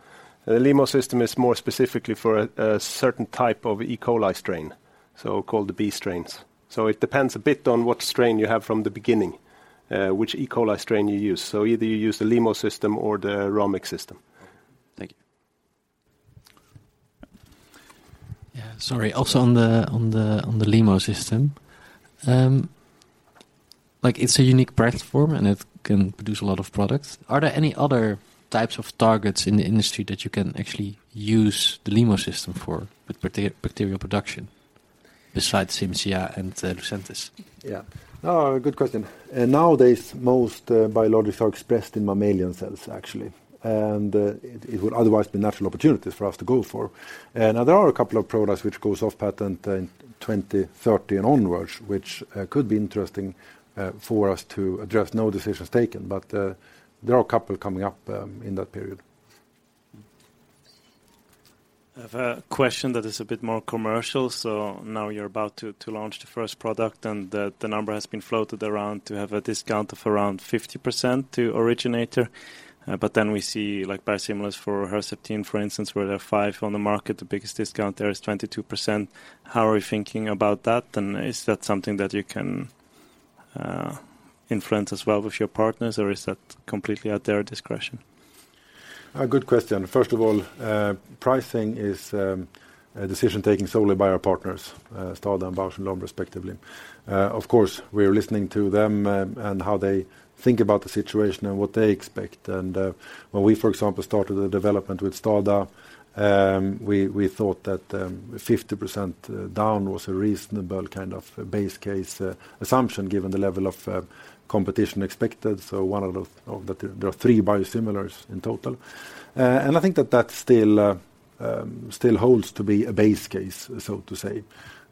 The LEMO System is more specifically for a certain type of E. coli strain, so called the B strains. It depends a bit on what strain you have from the beginning, which E. coli strain you use. Either you use the LEMO System or the Rhamex System. Thank you. Sorry. Also on the LEMO system. Like it's a unique platform, and it can produce a lot of products. Are there any other types of targets in the industry that you can actually use the LEMO system for with bacterial production besides Cimzia and Lucentis? Yeah. Oh, good question. Nowadays, most biologics are expressed in mammalian cells, actually. It would otherwise be natural opportunities for us to go for. Now there are a couple of products which goes off patent in 2030 and onwards, which could be interesting for us to address. No decisions taken, but there are a couple coming up in that period. I have a question that is a bit more commercial. Now you're about to to launch the first product, and the number has been floated around to have a discount of around 50% to originator. But then we see like biosimilars for Herceptin, for instance, where there are five on the market, the biggest discount there is 22%. How are you thinking about that? And is that something that you can influence as well with your partners or is that completely at their discretion? A good question. First of all, pricing is a decision taken solely by our partners, STADA and Bausch + Lomb respectively. Of course, we are listening to them and how they think about the situation and what they expect. When we, for example, started the development with STADA, we thought that 50% down was a reasonable kind of base case assumption given the level of competition expected, there are three biosimilars in total. I think that still holds to be a base case, so to say.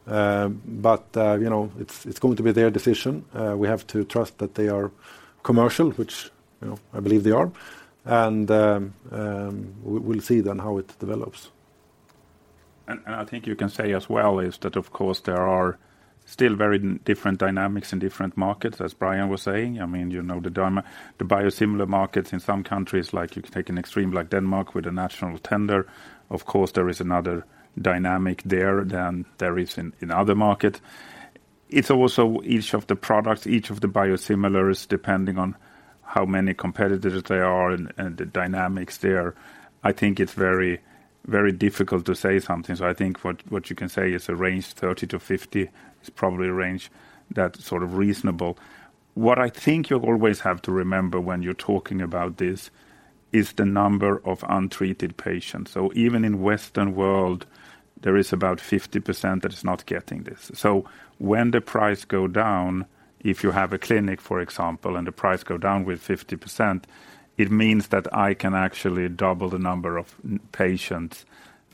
You know, it's going to be their decision. We have to trust that they are commercial, which, you know, I believe they are. We'll see then how it develops. I think you can say as well is that, of course, there are still very different dynamics in different markets, as Bryan was saying. I mean, you know, the biosimilar markets in some countries, like you can take an extreme like Denmark with a national tender. Of course, there is another dynamic there than there is in other market. It's also each of the products, each of the biosimilars, depending on how many competitors they are and the dynamics there. I think it's very difficult to say something. I think what you can say is a range 30%-50% is probably a range that's sort of reasonable. What I think you always have to remember when you're talking about this is the number of untreated patients. Even in Western world, there is about 50% that is not getting this. When the price go down, if you have a clinic, for example, and the price go down with 50%, it means that I can actually double the number of patients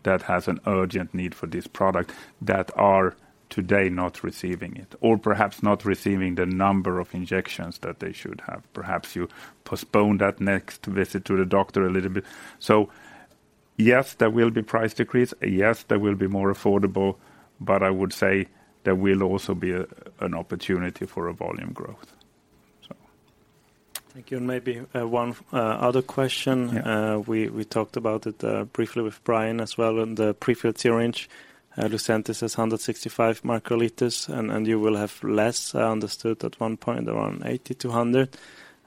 that has an urgent need for this product that are today not receiving it, or perhaps not receiving the number of injections that they should have. Perhaps you postpone that next visit to the doctor a little bit. Yes, there will be price decrease. Yes, there will be more affordable, but I would say there will also be an opportunity for a volume growth. Thank you. Maybe one other question. Yeah. We talked about it briefly with Bryan as well in the pre-filled syringe. Lucentis is 165 µL, and you will have less, I understood at one point, around 80 µL-100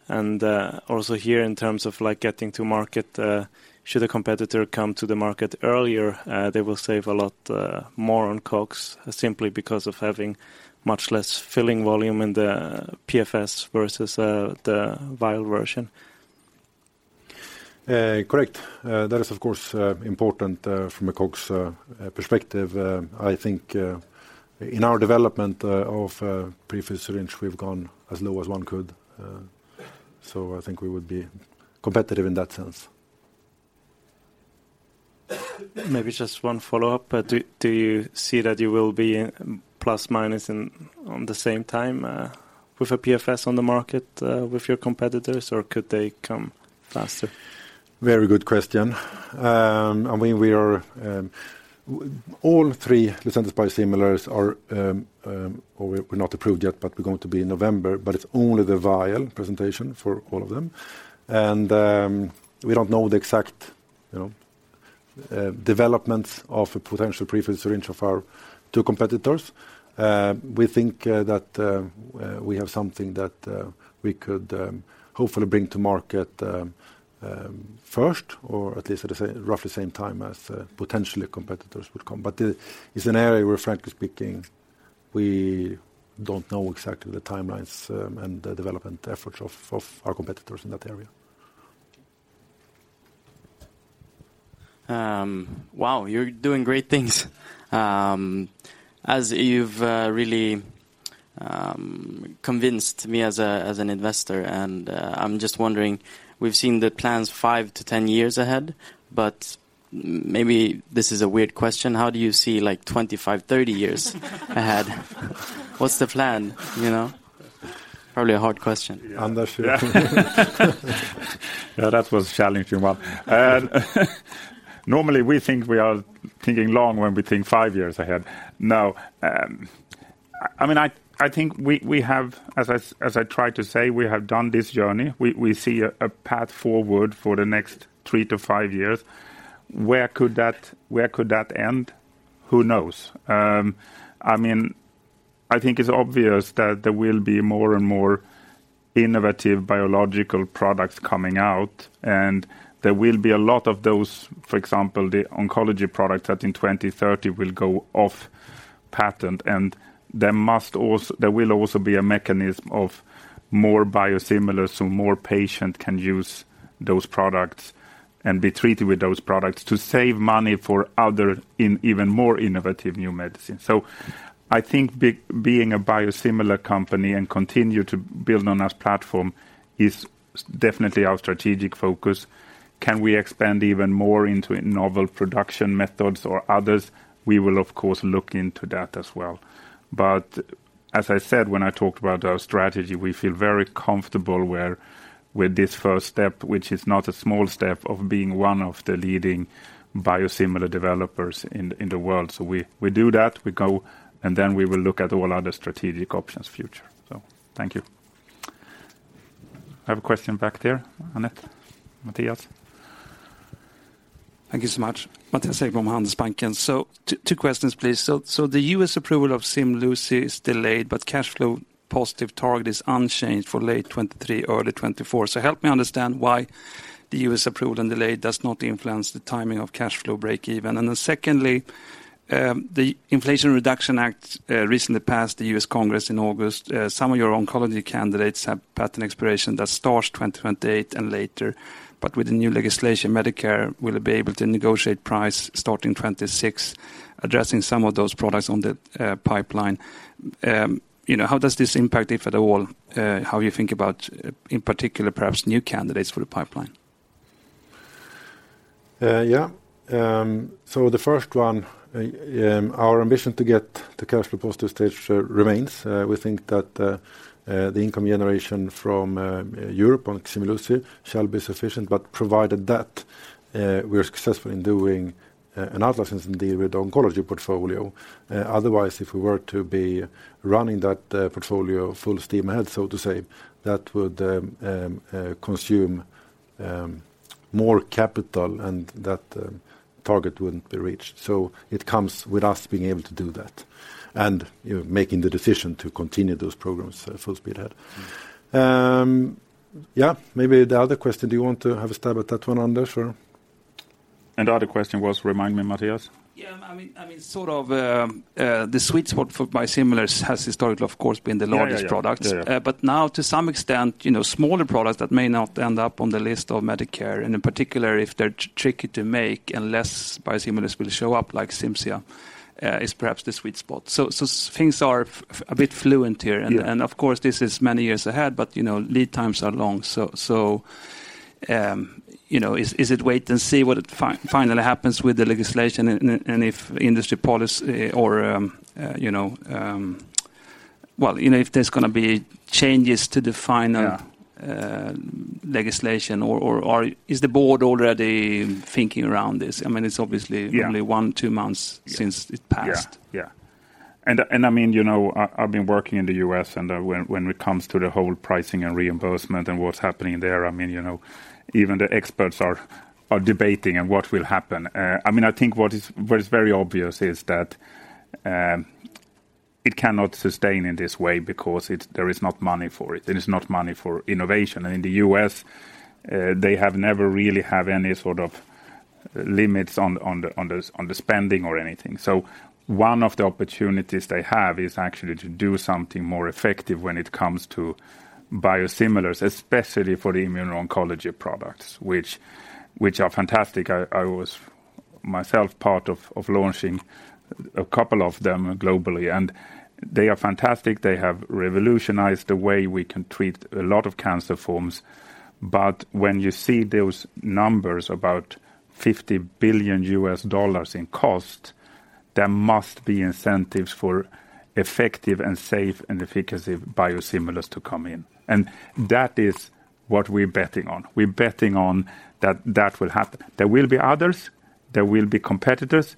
µL. Also here in terms of like getting to market, should a competitor come to the market earlier, they will save a lot more on COGS simply because of having much less filling volume in the PFS versus the vial version. Correct. That is, of course, important from a COGS perspective. I think in our development of pre-filled syringe, we've gone as low as one could. I think we would be competitive in that sense. Maybe just one follow-up. Do you see that you will be plus or minus around the same time with a PFS on the market with your competitors, or could they come faster? Very good question. I mean, all three Lucentis biosimilars are not approved yet, but we're going to be in November, but it's only the vial presentation for all of them. We don't know the exact, you know, developments of a potential pre-filled syringe of our two competitors. We think that we have something that we could hopefully bring to market first or at least roughly the same time as potential competitors would come. It's an area where, frankly speaking, we don't know exactly the timelines and the development efforts of our competitors in that area. Wow, you're doing great things. As you've really convinced me as an investor, and I'm just wondering, we've seen the plans five to 10 years ahead, but maybe this is a weird question, how do you see like 25, 30 years ahead? What's the plan? You know. Probably a hard question. Yeah. I'm not sure. Yeah, that was challenging one. Normally, we think we are thinking long when we think five years ahead. Now, I mean, I think we have, as I tried to say, we have done this journey. We see a path forward for the next three to five years. Where could that end? Who knows? I mean, I think it's obvious that there will be more and more innovative biological products coming out, and there will be a lot of those, for example, the oncology products that in 2030 will go off patent. There will also be a mechanism of more biosimilars, so more patients can use those products and be treated with those products to save money for other even more innovative new medicines. I think being a biosimilar company and continue to build on our platform is definitely our strategic focus. Can we expand even more into novel production methods or others? We will, of course, look into that as well. But as I said when I talked about our strategy, we feel very comfortable with this first step, which is not a small step of being one of the leading biosimilar developers in the world. We do that, we go, and then we will look at all other strategic options in the future. Thank you. I have a question back there. Anette, Mattias. Thank you so much. Mattias from Handelsbanken. Two questions, please. The U.S. approval of Ximluci is delayed, but cash flow positive target is unchanged for late 2023, early 2024. Help me understand why the U.S. approval and delay does not influence the timing of cash flow breakeven. Secondly, the Inflation Reduction Act recently passed the U.S. Congress in August. Some of your oncology candidates have patent expiration that starts 2028 and later, but with the new legislation, Medicare will be able to negotiate price starting 2026, addressing some of those products on the pipeline. You know, how does this impact, if at all, how you think about, in particular, perhaps new candidates for the pipeline? Yeah. The first one, our ambition to get the cash flow positive stage, remains. We think that the income generation from Europe on Ximluci shall be sufficient. Provided that we are successful in doing an out-licensing deal with oncology portfolio. Otherwise, if we were to be running that portfolio full steam ahead, so to say, that would consume more capital and that target wouldn't be reached. It comes with us being able to do that and, you know, making the decision to continue those programs full speed ahead. Yeah, maybe the other question, do you want to have a stab at that one, Anders, or? The other question was, remind me, Mattias. Yeah. I mean, sort of, the sweet spot for biosimilars has historically, of course, been the largest products. Yeah, yeah. Yeah, yeah. Now to some extent, you know, smaller products that may not end up on the list of Medicare, and in particular, if they're tricky to make and less biosimilars will show up like Cimzia, is perhaps the sweet spot. So things are a bit fluid here. Yeah. Of course, this is many years ahead, but you know, lead times are long. You know, is it wait and see what finally happens with the legislation and if industry policy or you know, well you know, if there's gonna be changes to the final. Yeah legislation or is the board already thinking around this? I mean, it's obviously. Yeah Only one, two months since it passed. Yeah. I've been working in the U.S. And when it comes to the whole pricing and reimbursement and what's happening there, I mean, you know, even the experts are debating on what will happen. I mean, I think what is very obvious is that it cannot sustain in this way because there is not money for it. There is not money for innovation. In the U.S., they have never really have any sort of limits on the spending or anything. One of the opportunities they have is actually to do something more effective when it comes to biosimilars, especially for the immuno-oncology products, which are fantastic. I was myself part of launching a couple of them globally, and they are fantastic. They have revolutionized the way we can treat a lot of cancer forms. When you see those numbers, about $50 billion in cost, there must be incentives for effective and safe biosimilars to come in. That is what we're betting on. We're betting on that will happen. There will be others, there will be competitors,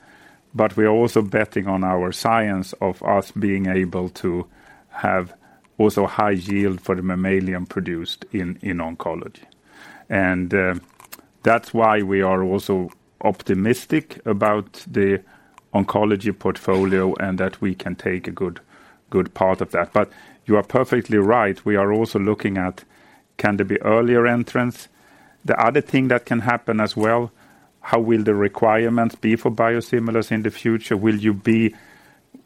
but we are also betting on our science of us being able to have also high yield for the mammalian produced in oncology. That's why we are also optimistic about the oncology portfolio and that we can take a good part of that. You are perfectly right. We are also looking at can there be earlier entrants. The other thing that can happen as well, how will the requirements be for biosimilars in the future? Will you be...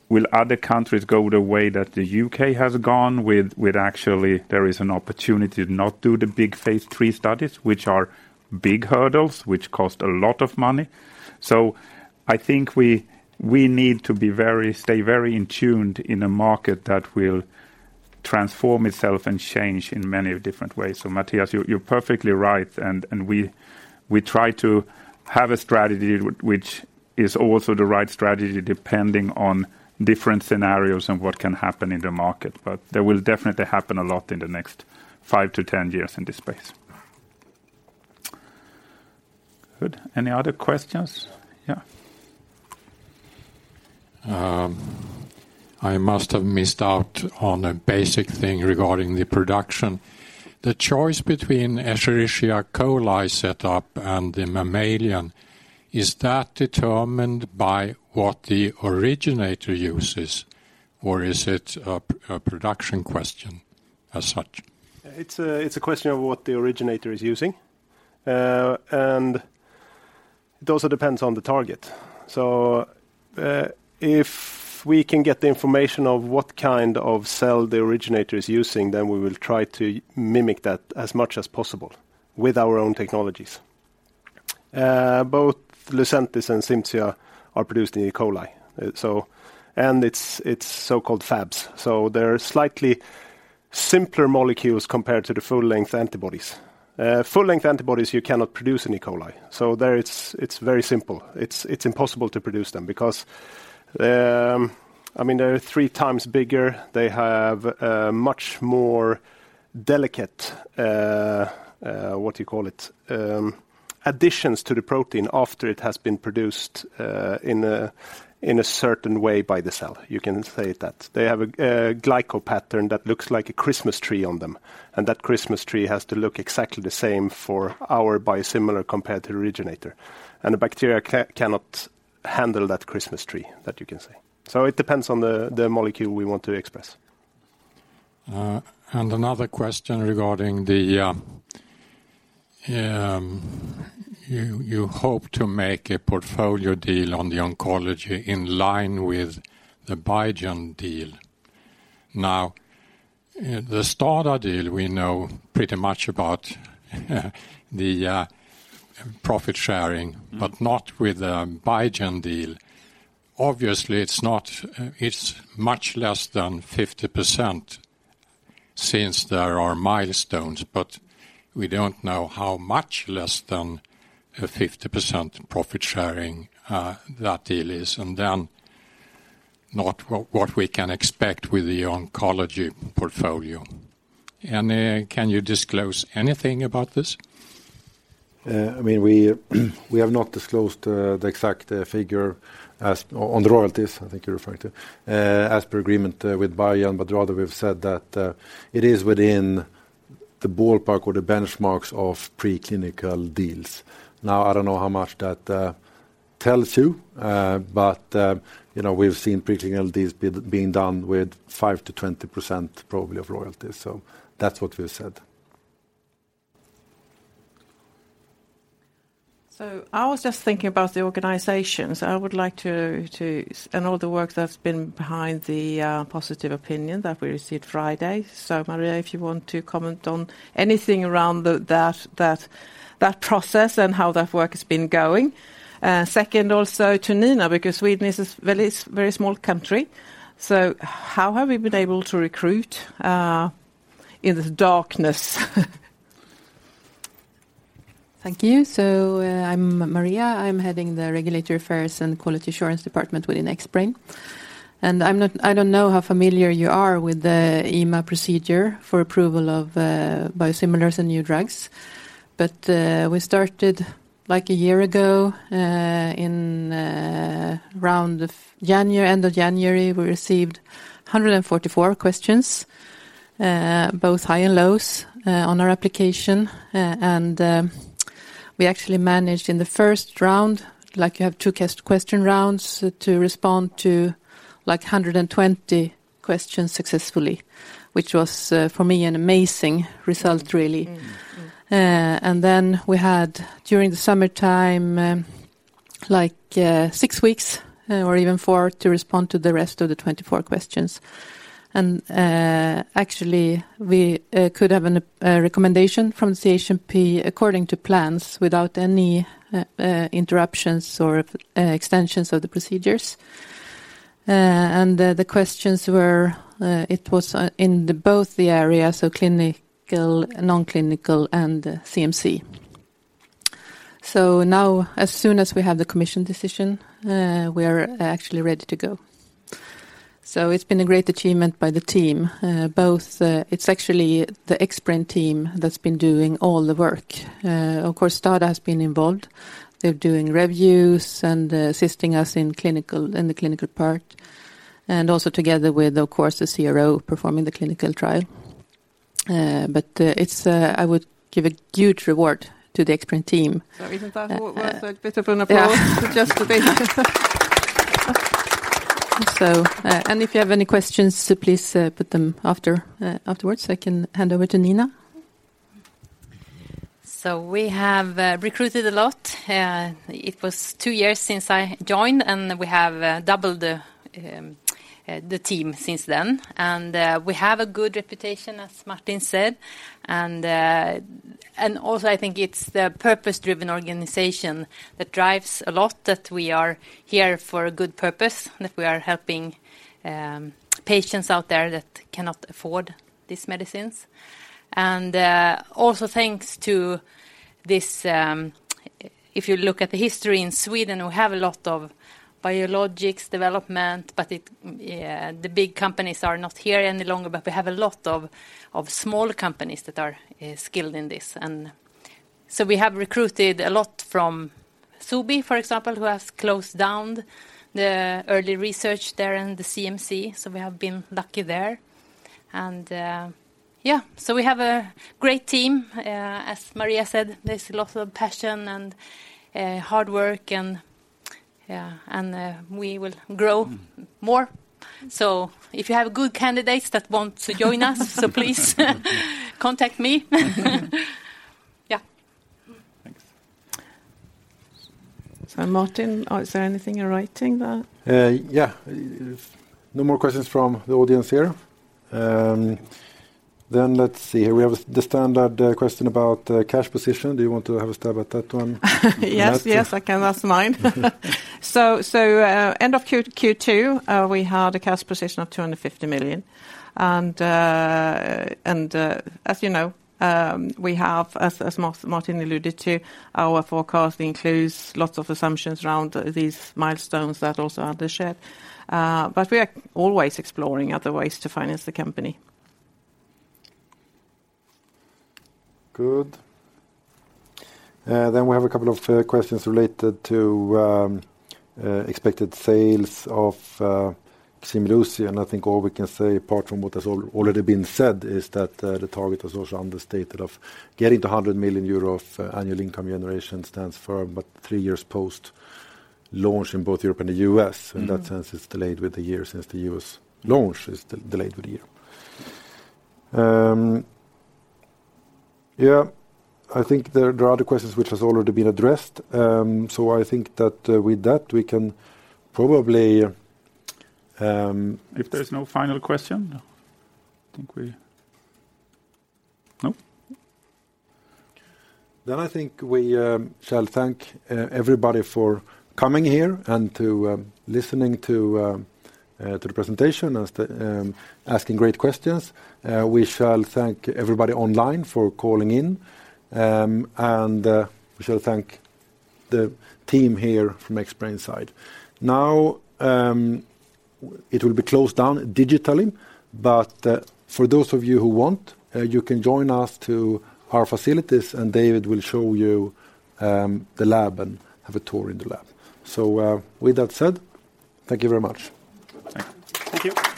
Will other countries go the way that the U.K. has gone with actually there is an opportunity to not do the big phase III studies, which are big hurdles which cost a lot of money. I think we need to be very, stay very in tune in a market that will transform itself and change in many different ways. Mattias, you're perfectly right and we try to have a strategy which is also the right strategy depending on different scenarios and what can happen in the market. There will definitely happen a lot in the next five to 10 years in this space. Good. Any other questions? Yeah. I must have missed out on a basic thing regarding the production. The choice between Escherichia coli setup and the mammalian, is that determined by what the originator uses or is it a production question as such? It's a question of what the originator is using. It also depends on the target. If we can get the information of what kind of cell the originator is using, then we will try to mimic that as much as possible with our own technologies. Both Lucentis and Cimzia are produced in E. coli. It's so-called fabs. They're slightly simpler molecules compared to the full length antibodies. Full length antibodies, you cannot produce in E. coli. There it's very simple. It's impossible to produce them because, I mean, they're three times bigger. They have much more delicate, what you call it? additions to the protein after it has been produced, in a certain way by the cell. You can say it that. They have a glycopattern that looks like a Christmas tree on them, and that Christmas tree has to look exactly the same for our biosimilar compared to the originator. The bacteria cannot Handle that Christmas tree that you can see. It depends on the molecule we want to express. Another question regarding your hope to make a portfolio deal on the oncology in line with the Biogen deal. Now, the STADA deal, we know pretty much about the profit sharing but not with the Biogen deal. Obviously, it's not. It's much less than 50% since there are milestones, but we don't know how much less than a 50% profit sharing that deal is and then not what we can expect with the oncology portfolio. Can you disclose anything about this? I mean, we have not disclosed the exact figure on the royalties I think you're referring to, as per agreement with Biogen, but rather we've said that it is within the ballpark or the benchmarks of preclinical deals. Now, I don't know how much that tells you. You know, we've seen preclinical deals being done with 5%-20% probably of royalties. That's what we've said. I was just thinking about the organizations and all the work that's been behind the positive opinion that we received Friday. Maria, if you want to comment on anything around that process and how that work has been going. Second also to Nina, because Sweden is this very, very small country. How have we been able to recruit in the darkness? Thank you. I'm Maria. I'm heading the Regulatory Affairs and Quality Assurance department within Xbrane. I don't know how familiar you are with the EMA procedure for approval of biosimilars and new drugs. We started like a year ago in around January, end of January. We received 144 questions, both high and lows, on our application. We actually managed in the first round, like you have two question rounds, to respond to like 120 questions successfully, which was, for me, an amazing result really. Mm-hmm. We had, during the summertime, like, six weeks or even four, to respond to the rest of the 24 questions. Actually, we could have a recommendation from CHMP according to plans without any interruptions or extensions of the procedures. The questions were in both areas, so clinical, non-clinical, and CMC. Now, as soon as we have the commission decision, we are actually ready to go. It's been a great achievement by the team. It's actually the Xbrane team that's been doing all the work. Of course, STADA has been involved. They're doing reviews and assisting us in the clinical part, and also together with, of course, the CRO performing the clinical trial. But it's, I would give a huge reward to the Xbrane team. Isn't that worth a bit of an applause? Yeah. Just to be? If you have any questions, please put them afterwards. I can hand over to Nina. Mm-hmm. We have recruited a lot. It was two years since I joined, and we have doubled the team since then. We have a good reputation, as Martin said. Also I think it's the purpose-driven organization that drives a lot that we are here for a good purpose, and that we are helping patients out there that cannot afford these medicines. Also thanks to this, if you look at the history in Sweden, we have a lot of biologics development, but the big companies are not here any longer. We have a lot of small companies that are skilled in this. We have recruited a lot from Sobi, for example, who has closed down the early research there in the CMC. We have been lucky there. We have a great team. As Maria said, there's a lot of passion and hard work. We will grow more. If you have good candidates that want to join us, so please contact me. Martin, is there anything you're writing there? Yeah. No more questions from the audience here. Let's see. We have the standard question about cash position. Do you want to have a stab at that one? Yes. Anette? Yes, I can. That's mine. End of Q2, we had a cash position of SEK 250 million. As you know, we have, as Martin alluded to, our forecast includes lots of assumptions around these milestones that also are the share. We are always exploring other ways to finance the company. Good. Then we have a couple of questions related to expected sales of Ximluci. I think all we can say, apart from what has already been said, is that the target was also understood as getting to 100 million euro of annual income generation stands firm, but three years post-launch in both Europe and the U.S. Mm-hmm. In that sense, it's delayed with a year since the U.S. launch is delayed with a year. Yeah. I think there are other questions which has already been addressed. I think that, with that, we can probably If there's no final question, I think. No. I think we shall thank everybody for coming here and to listening to the presentation and asking great questions. We shall thank everybody online for calling in. We shall thank the team here from Xbrane side. Now, it will be closed down digitally. For those of you who want, you can join us to our facilities, and David will show you the lab and have a tour in the lab. With that said, thank you very much. Thank you. Thank you.